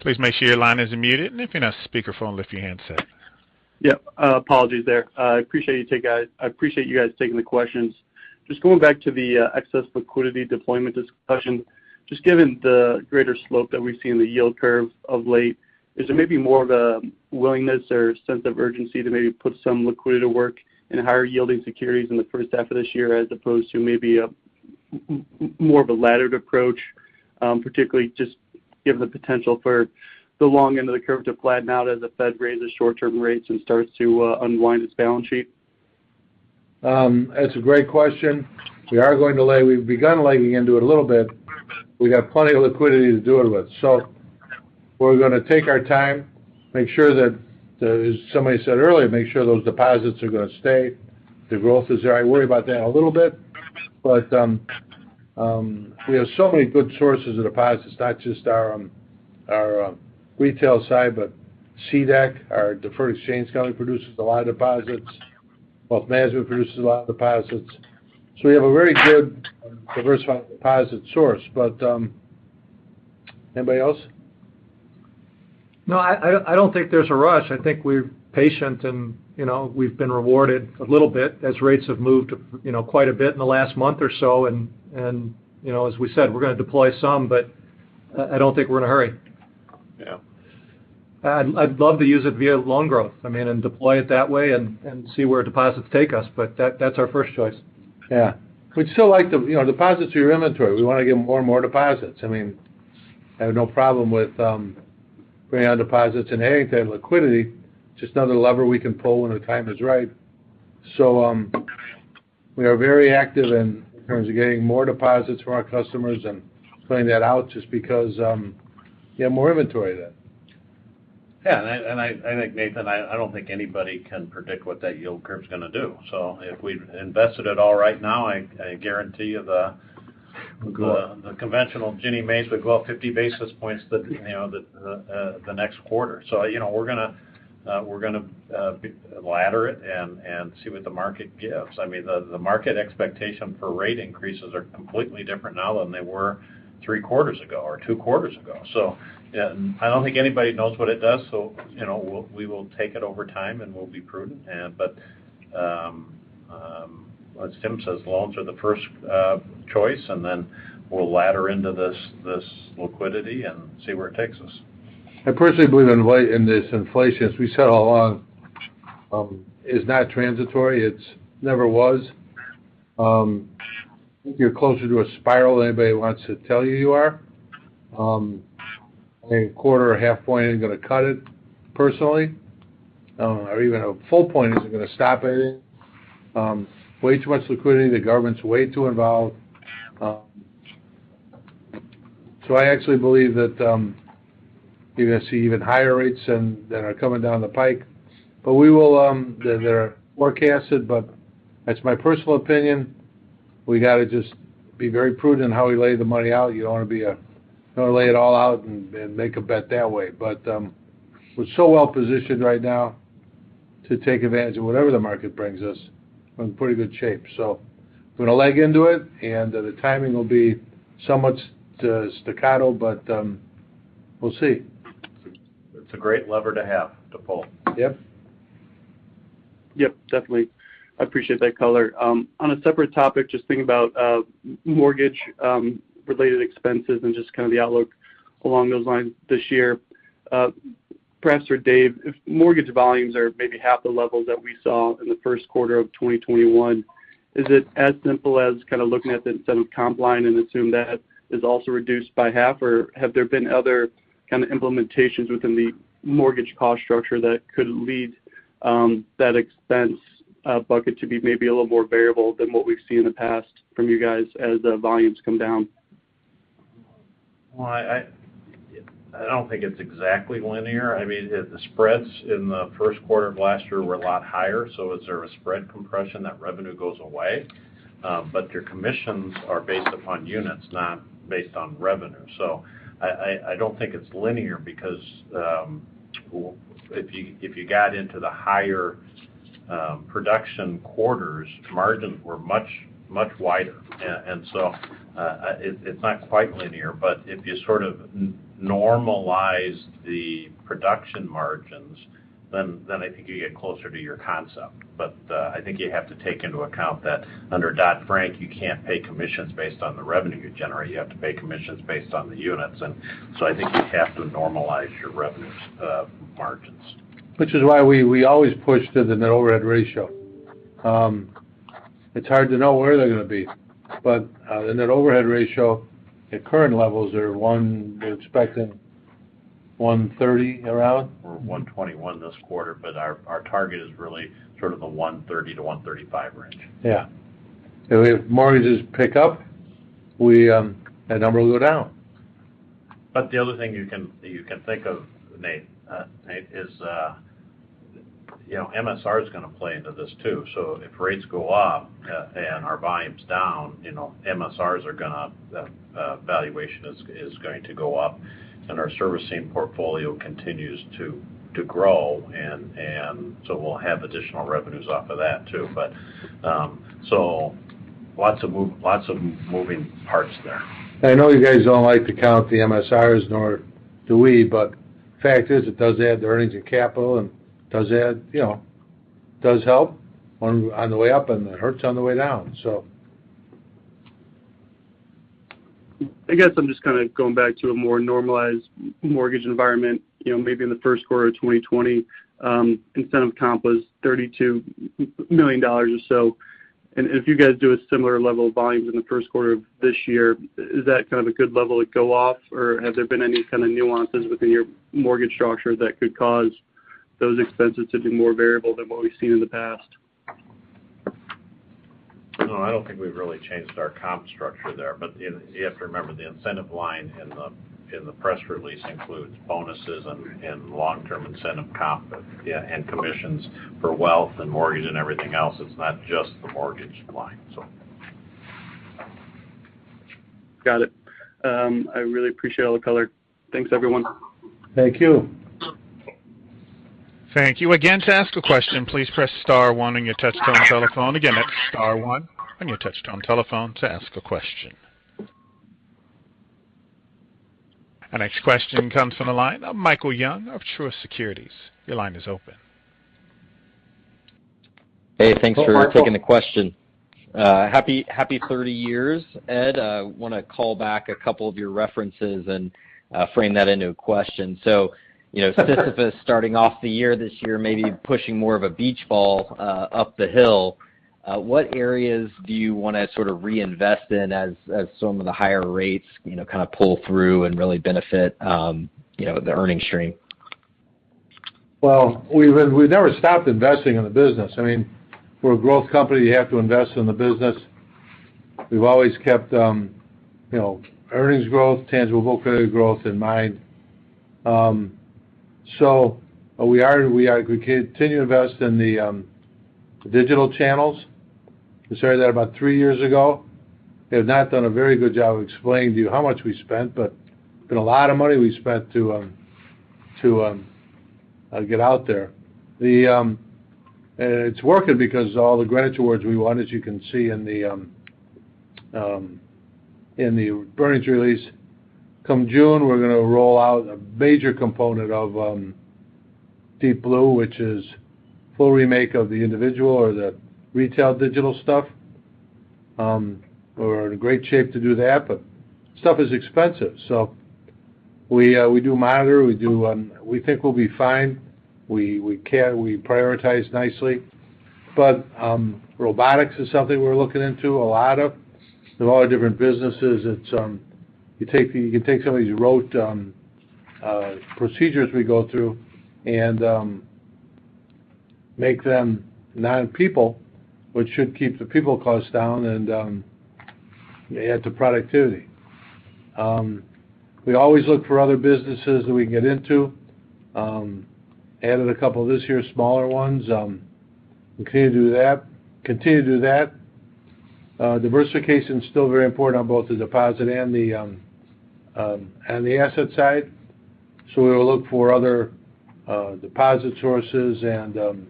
Please make sure your line isn't muted. And if you're not speakerphone, lift your handset. Yeah, apologies there. I appreciate you guys taking the questions. Just going back to the excess liquidity deployment discussion. Just given the greater slope that we've seen in the yield curve of late, is it maybe more of a willingness or sense of urgency to maybe put some liquidity to work in higher yielding securities in the first half of this year, as opposed to maybe a more of a laddered approach, particularly just given the potential for the long end of the curve to flatten out as the Fed raises short-term rates and starts to unwind its balance sheet? That's a great question. We've begun laying into it a little bit. We got plenty of liquidity to do it with. We're gonna take our time, make sure that somebody said earlier, make sure those deposits are going to stay. The growth is there. I worry about that a little bit. We have so many good sources of deposits, not just our retail side, but CDEC, our Deferred Exchange Company produces a lot of deposits. Wealth management produces a lot of deposits. We have a very good diversified deposit source. Anybody else? No, I don't think there's a rush. I think we're patient and, you know, we've been rewarded a little bit as rates have moved, you know, quite a bit in the last month or so. You know, as we said, we're going to deploy some, but I don't think we're in a hurry. Yeah. I'd love to use it via loan growth, I mean, and deploy it that way and see where deposits take us. But that's our first choice. Yeah. We'd still like to, you know, deposits are your inventory. We want to get more and more deposits. I mean, I have no problem with bringing on deposits and any type of liquidity, just another lever we can pull when the time is right. So, we are very active in terms of getting more deposits from our customers and playing that out just because you have more inventory than. Yeah. I think, Nathan, I don't think anybody can predict what that yield curve is going to do. If we invested it all right now, I guarantee you the conventional Ginnie Maes would go up 50 basis points you know, the next quarter. You know, we're going to ladder it and see what the market gives. I mean, the market expectation for rate increases are completely different now than they were three quarters ago or two quarters ago. I don't think anybody knows what it does. You know, we'll take it over time and we'll be prudent. But as Tim says, loans are the first choice and then we'll ladder into this liquidity and see where it takes us. I personally believe in light of this inflation, as we said all along, is not transitory. It's never was. I think you're closer to a spiral than anybody wants to tell you you are. I think a quarter or a half point ain't going to cut it, personally, or even a full point isn't going to stop anything. Way too much liquidity. The government's way too involved. So I actually believe that you're going to see even higher rates than are coming down the pike. We will. They're forecasted, but that's my personal opinion. We got to just be very prudent in how we lay the money out. You don't want to lay it all out and make a bet that way. We're so well-positioned right now to take advantage of whatever the market brings us. We're in pretty good shape. I'm going to leg into it, and the timing will be somewhat staccato, but we'll see. It's a great lever to have to pull. Yep. Yep, definitely. I appreciate that color. On a separate topic, just thinking about mortgage related expenses and just kind of the outlook along those lines this year, perhaps for Dave, if mortgage volumes are maybe half the levels that we saw in the first quarter of 2021, is it as simple as kind of looking at the incentive comp line and assume that is also reduced by half? Or have there been other kind of implementations within the mortgage cost structure that could lead that expense bucket to be maybe a little more variable than what we've seen in the past from you guys as the volumes come down? Well, I don't think it's exactly linear. I mean, the spreads in the first quarter of last year were a lot higher, so as there was spread compression, that revenue goes away. But your commissions are based upon units, not based on revenue. I don't think it's linear because if you got into the higher production quarters, margins were much, much wider. It's not quite linear, but if you sort of normalize the production margins, then I think you get closer to your concept. I think you have to take into account that under Dodd-Frank, you can't pay commissions based on the revenue you generate. You have to pay commissions based on the units. I think you have to normalize your revenues, margins. Which is why we always push to the net overhead ratio. It's hard to know where they're gonna be. In that overhead ratio, at current levels, we're expecting 130 around. We're $1.21 this quarter, but our target is really sort of the $1.30-$1.35 range. Yeah. If mortgages pick up, we, that number will go down. The other thing you can think of, Nate, is you know, MSR is gonna play into this too. If rates go up and our volume's down, you know, MSRs valuation is going to go up, and our servicing portfolio continues to grow and so we'll have additional revenues off of that too. Lots of moving parts there. I know you guys don't like to count the MSRs, nor do we, but fact is, it does add to earnings and capital, and it does add, you know, does help on the way up, and it hurts on the way down, so. I guess I'm just kind of going back to a more normalized mortgage environment, you know, maybe in the first quarter of 2020, incentive comp was $32 million or so. If you guys do a similar level of volumes in the first quarter of this year, is that kind of a good level to go off, or have there been any kind of nuances within your mortgage structure that could cause those expenses to be more variable than what we've seen in the past? No, I don't think we've really changed our comp structure there. You have to remember, the incentive line in the press release includes bonuses and long-term incentive comp, yeah, and commissions for wealth and mortgage and everything else. It's not just the mortgage line, so. Got it. I really appreciate all the color. Thanks, everyone. Thank you. Our next question comes from the line of Michael Young of Truist Securities. Your line is open. Hey, thanks for taking the question. Happy 30 years. Ed, I want to call back a couple of your references and frame that into a question. You know, Sisyphus starting off the year this year, maybe pushing more of a beach ball up the hill. What areas do you want to sort of reinvest in as some of the higher rates, you know, kind of pull through and really benefit the earnings stream? Well, we've never stopped investing in the business. I mean, we're a growth company. You have to invest in the business. We've always kept, you know, earnings growth, tangible book value growth in mind. So we continue to invest in the digital channels. We started that about three years ago. We have not done a very good job of explaining to you how much we spent but it's been a lot of money we spent to get out there. It's working because all the Greenwich awards we won, as you can see in the earnings release. Come June, we're gonna roll out a major component of Deep Blue, which is full remake of the individual or the retail digital stuff. We're in a great shape to do that, but stuff is expensive. We monitor. We think we'll be fine. We care, we prioritize nicely. Robotics is something we're looking into a lot of. In a lot of different businesses, it's you take some of these rote procedures we go through and make them no people, which should keep the people cost down and add to productivity. We always look for other businesses that we can get into. We added a couple this year, smaller ones. We continue to do that. Diversification is still very important on both the deposit and the asset side. We'll look for other deposit sources and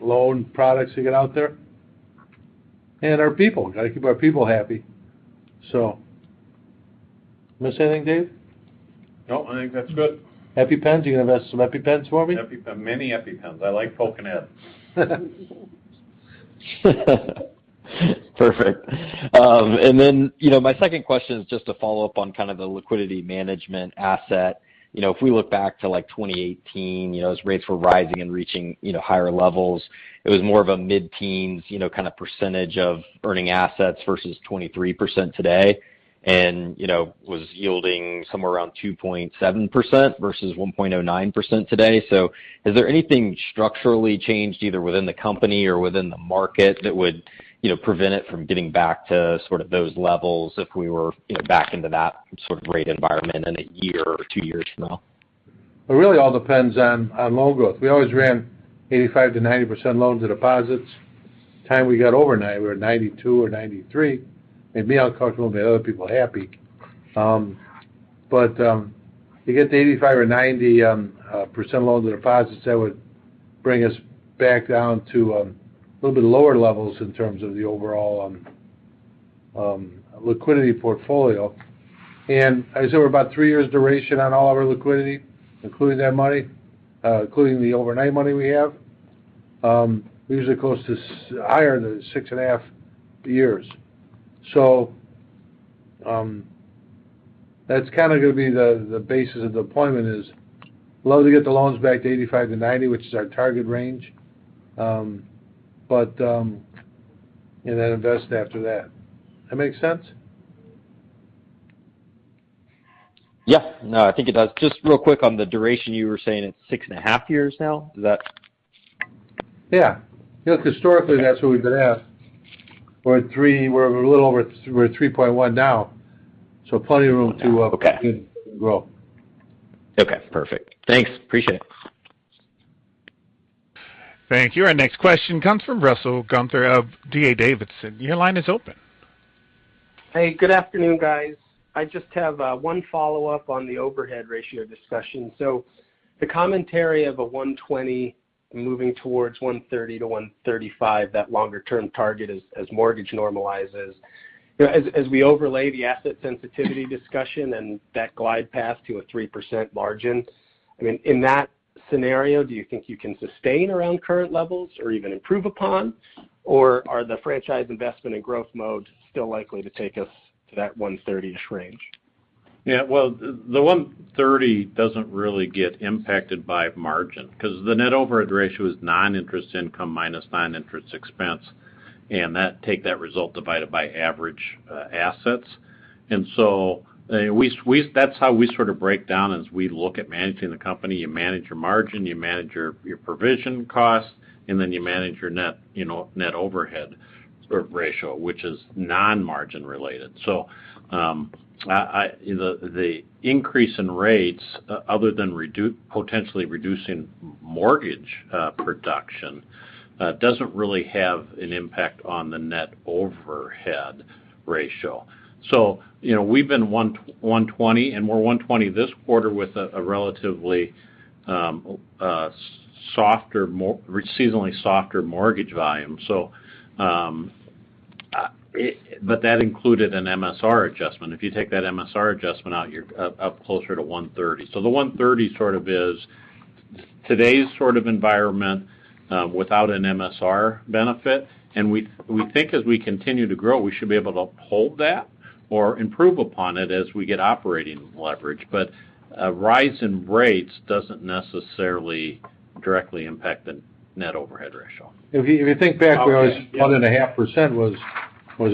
loan products to get out there. Our people, we gotta keep our people happy. Miss anything, Dave? No, I think that's good. EpiPens. You gonna invest some EpiPens for me? EpiPen, many EpiPens. I like poking ads. Perfect. You know, my second question is just to follow up on kind of the liquidity management asset. You know, if we look back to, like, 2018, you know, as rates were rising and reaching, you know, higher levels, it was more of a mid-teens kind of percentage of earning assets versus 23% today. You know, was yielding somewhere around 2.7% versus 1.09% today. Is there anything structurally changed either within the company or within the market that would, you know, prevent it from getting back to sort of those levels if we were, you know, back into that sort of rate environment in a year or two years from now? It really all depends on loan growth. We always ran 85%-90% loans and deposits. When we got overnight, we were 92% or 93%. It may be uncomfortable, but other people are happy. You get to 85% or 90% loans and deposits, that would bring us back down to a little bit lower levels in terms of the overall liquidity portfolio. As there is about three years duration on all of our liquidity, including the overnight money we have, usually higher than six and a half years. That's kind of going to be the basis of deployment; we'd love to get the loans back to 85%-90%, which is our target range, and then invest after that. Does that make sense? Yeah. No, I think it does. Just real quick on the duration, you were saying it's six and a half years now. Is that. Yeah. Historically, that's where we've been at. We're at 3.1 now, so plenty of room to, Okay. -grow. Okay. Perfect. Thanks. Appreciate it. Thank you. Our next question comes from Russell Gunther of D.A. Davidson. Your line is open. Hey, good afternoon, guys. I just have one follow-up on the overhead ratio discussion. The commentary of 120% moving towards 130%-135%, that longer-term target as mortgage normalizes. You know, we overlay the asset sensitivity discussion and that glide path to a 3% margin. I mean, in that scenario, do you think you can sustain around current levels or even improve upon? Or are the franchise investment and growth mode still likely to take us to that 130%-ish range? Yeah. Well, 1.30 doesn't really get impacted by margin because the net overhead ratio is non-interest income minus non-interest expense, and take that result divided by average assets. That's how we sort of break down as we look at managing the company. You manage your margin, you manage your provision costs, and then you manage your net, you know, overhead ratio, which is non-margin related. The increase in rates other than potentially reducing mortgage production doesn't really have an impact on the net overhead ratio. We've been 1.20, and we're 1.20 this quarter with a relatively seasonally softer mortgage volume. But that included an MSR adjustment. If you take that MSR adjustment out, you're up closer to 1.30. The 1.30 sort of is today's sort of environment, without an MSR benefit. We think as we continue to grow, we should be able to hold that or improve upon it as we get operating leverage. A rise in rates doesn't necessarily directly impact the net overhead ratio. If you think back, we always Okay. Yeah. 1.5% was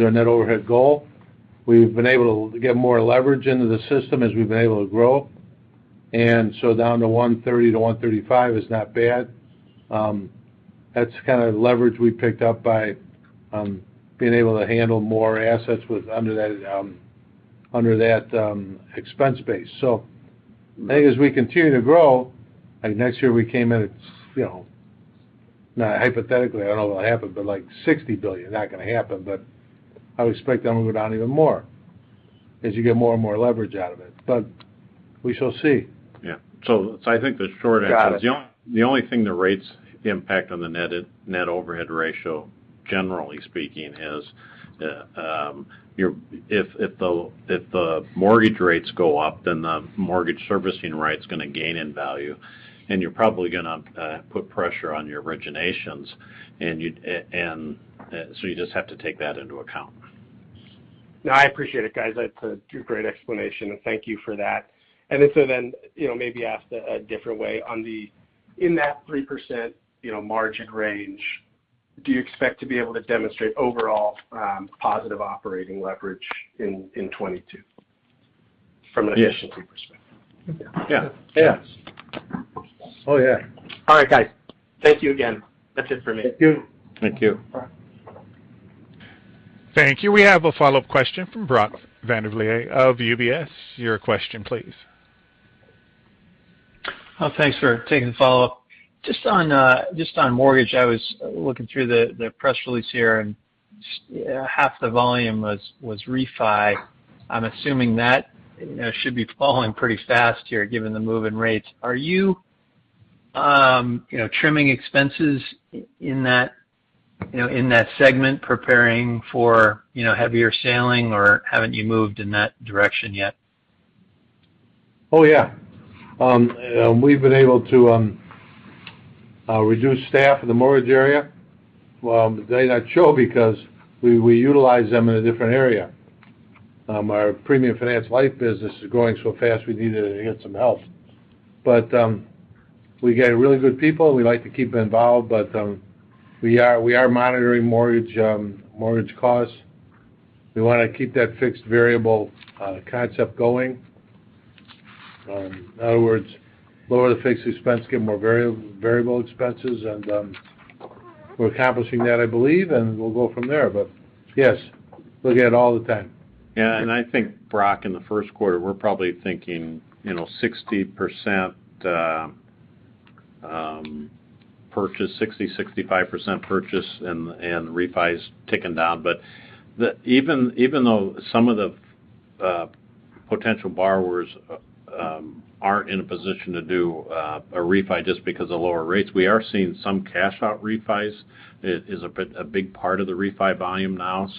our net overhead goal. We've been able to get more leverage into the system as we've been able to grow, and down to 1.30%-1.35% is not bad. That's kind of the leverage we picked up by being able to handle more assets with under that expense base. I think as we continue to grow, like next year, we came in at, you know, hypothetically, I don't know what happened, but like $60 billion, not going to happen, but I would expect that will go down even more as you get more and more leverage out of it. We shall see. Yeah. I think the short answer is. Got it. The only thing the rates impact on the net net overhead ratio, generally speaking, is if the mortgage rates go up, then the mortgage servicing rate is going to gain in value, and you're probably going to put pressure on your originations. You just have to take that into account. No, I appreciate it, guys. That's a great explanation, and thank you for that. If so then, you know, maybe asked a different way. On the in that 3%, you know, margin range, do you expect to be able to demonstrate overall positive operating leverage in 2022 from an efficiency perspective? Yeah. Yeah. Oh, yeah. All right, guys. Thank you again. That's it for me. Thank you. Thank you. Thank you. We have a follow-up question from Brody Preston of UBS. Your question please. Oh, thanks for taking the follow-up. Just on mortgage, I was looking through the press release here, and half the volume was refi. I'm assuming that, you know, should be falling pretty fast here given the move in rates. Are you know, trimming expenses in that, you know, in that segment preparing for, you know, heavy sledding, or haven't you moved in that direction yet? Oh, yeah. We've been able to reduce staff in the mortgage area. Well, they're not sure because we utilize them in a different area. Our premium finance life business is growing so fast, we needed to get some help. But we get really good people. We like to keep involved. But we are monitoring mortgage costs. We wanna keep that fixed variable concept going. In other words, lower the fixed expense, get more variable expenses. We're accomplishing that, I believe, and we'll go from there. But yes, look at all the time. Yeah. I think, Brody, in the first quarter, we're probably thinking, you know, 60%-65% purchase and refi is ticking down. Even though some of the potential borrowers aren't in a position to do a refi just because of lower rates, we are seeing some cash-out refis. It is a big part of the refi volume now.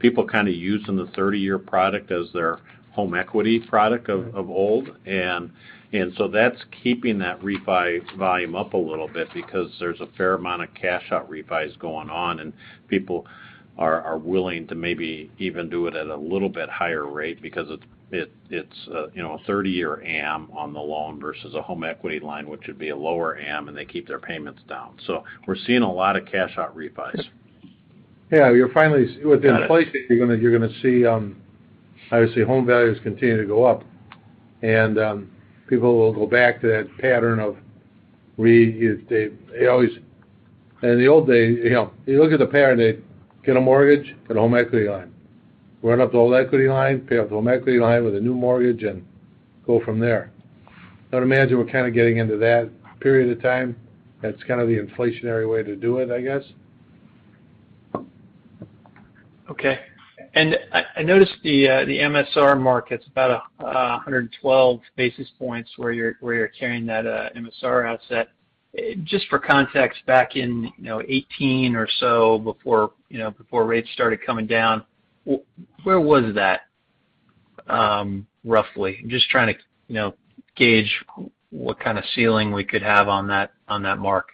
People kinda using the 30-year product as their home equity product of old. That's keeping that refi volume up a little bit because there's a fair amount of cash-out refis going on, and people are willing to maybe even do it at a little bit higher rate because it's a, you know, a 30-year AM on the loan versus a home equity line, which would be a lower AM and they keep their payments down. We're seeing a lot of cash-out refis. Yeah, you're finally with the inflation, you're gonna see obviously home values continue to go up. People will go back to that pattern. They always in the old days, you know, you look at the pattern, they get a mortgage, get a home equity line. Run up the whole equity line, pay off the home equity line with a new mortgage and go from there. I'd imagine we're kinda getting into that period of time. That's kind of the inflationary way to do it, I guess. Okay. I noticed the MSR markets about 112 basis points where you're carrying that MSR asset. Just for context, back in 2018 or so, before rates started coming down, where was that roughly? Just trying to gauge what kinda ceiling we could have on that mark.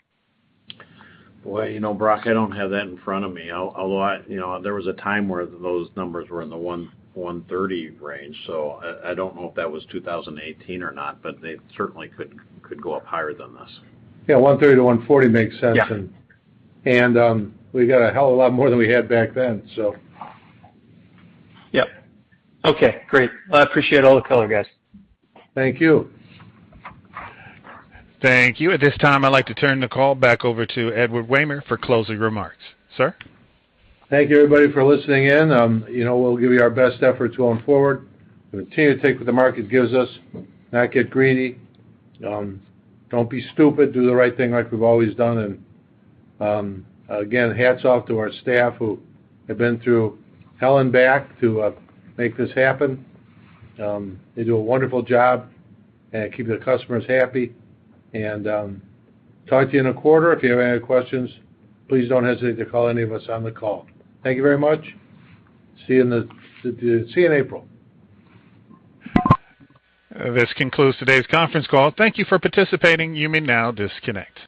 Well, you know, Brody, I don't have that in front of me. Although I you know, there was a time where those numbers were in the 1.30 range. I don't know if that was 2018 or not, but they certainly could go up higher than this. Yeah, 130-140 makes sense. Yeah. We've got a hell of a lot more than we had back then, so. Yep. Okay, great. I appreciate all the color, guys. Thank you. Thank you. At this time, I'd like to turn the call back over to Edward Wehmer for closing remarks. Sir? Thank you, everybody, for listening in. You know, we'll give you our best efforts going forward. We continue to take what the market gives us, not get greedy. Don't be stupid. Do the right thing like we've always done. Again, hats off to our staff who have been through hell and back to make this happen. They do a wonderful job at keeping the customers happy. Talk to you in a quarter. If you have any questions, please don't hesitate to call any of us on the call. Thank you very much. See you in April. This concludes today's conference call. Thank you for participating. You may now disconnect.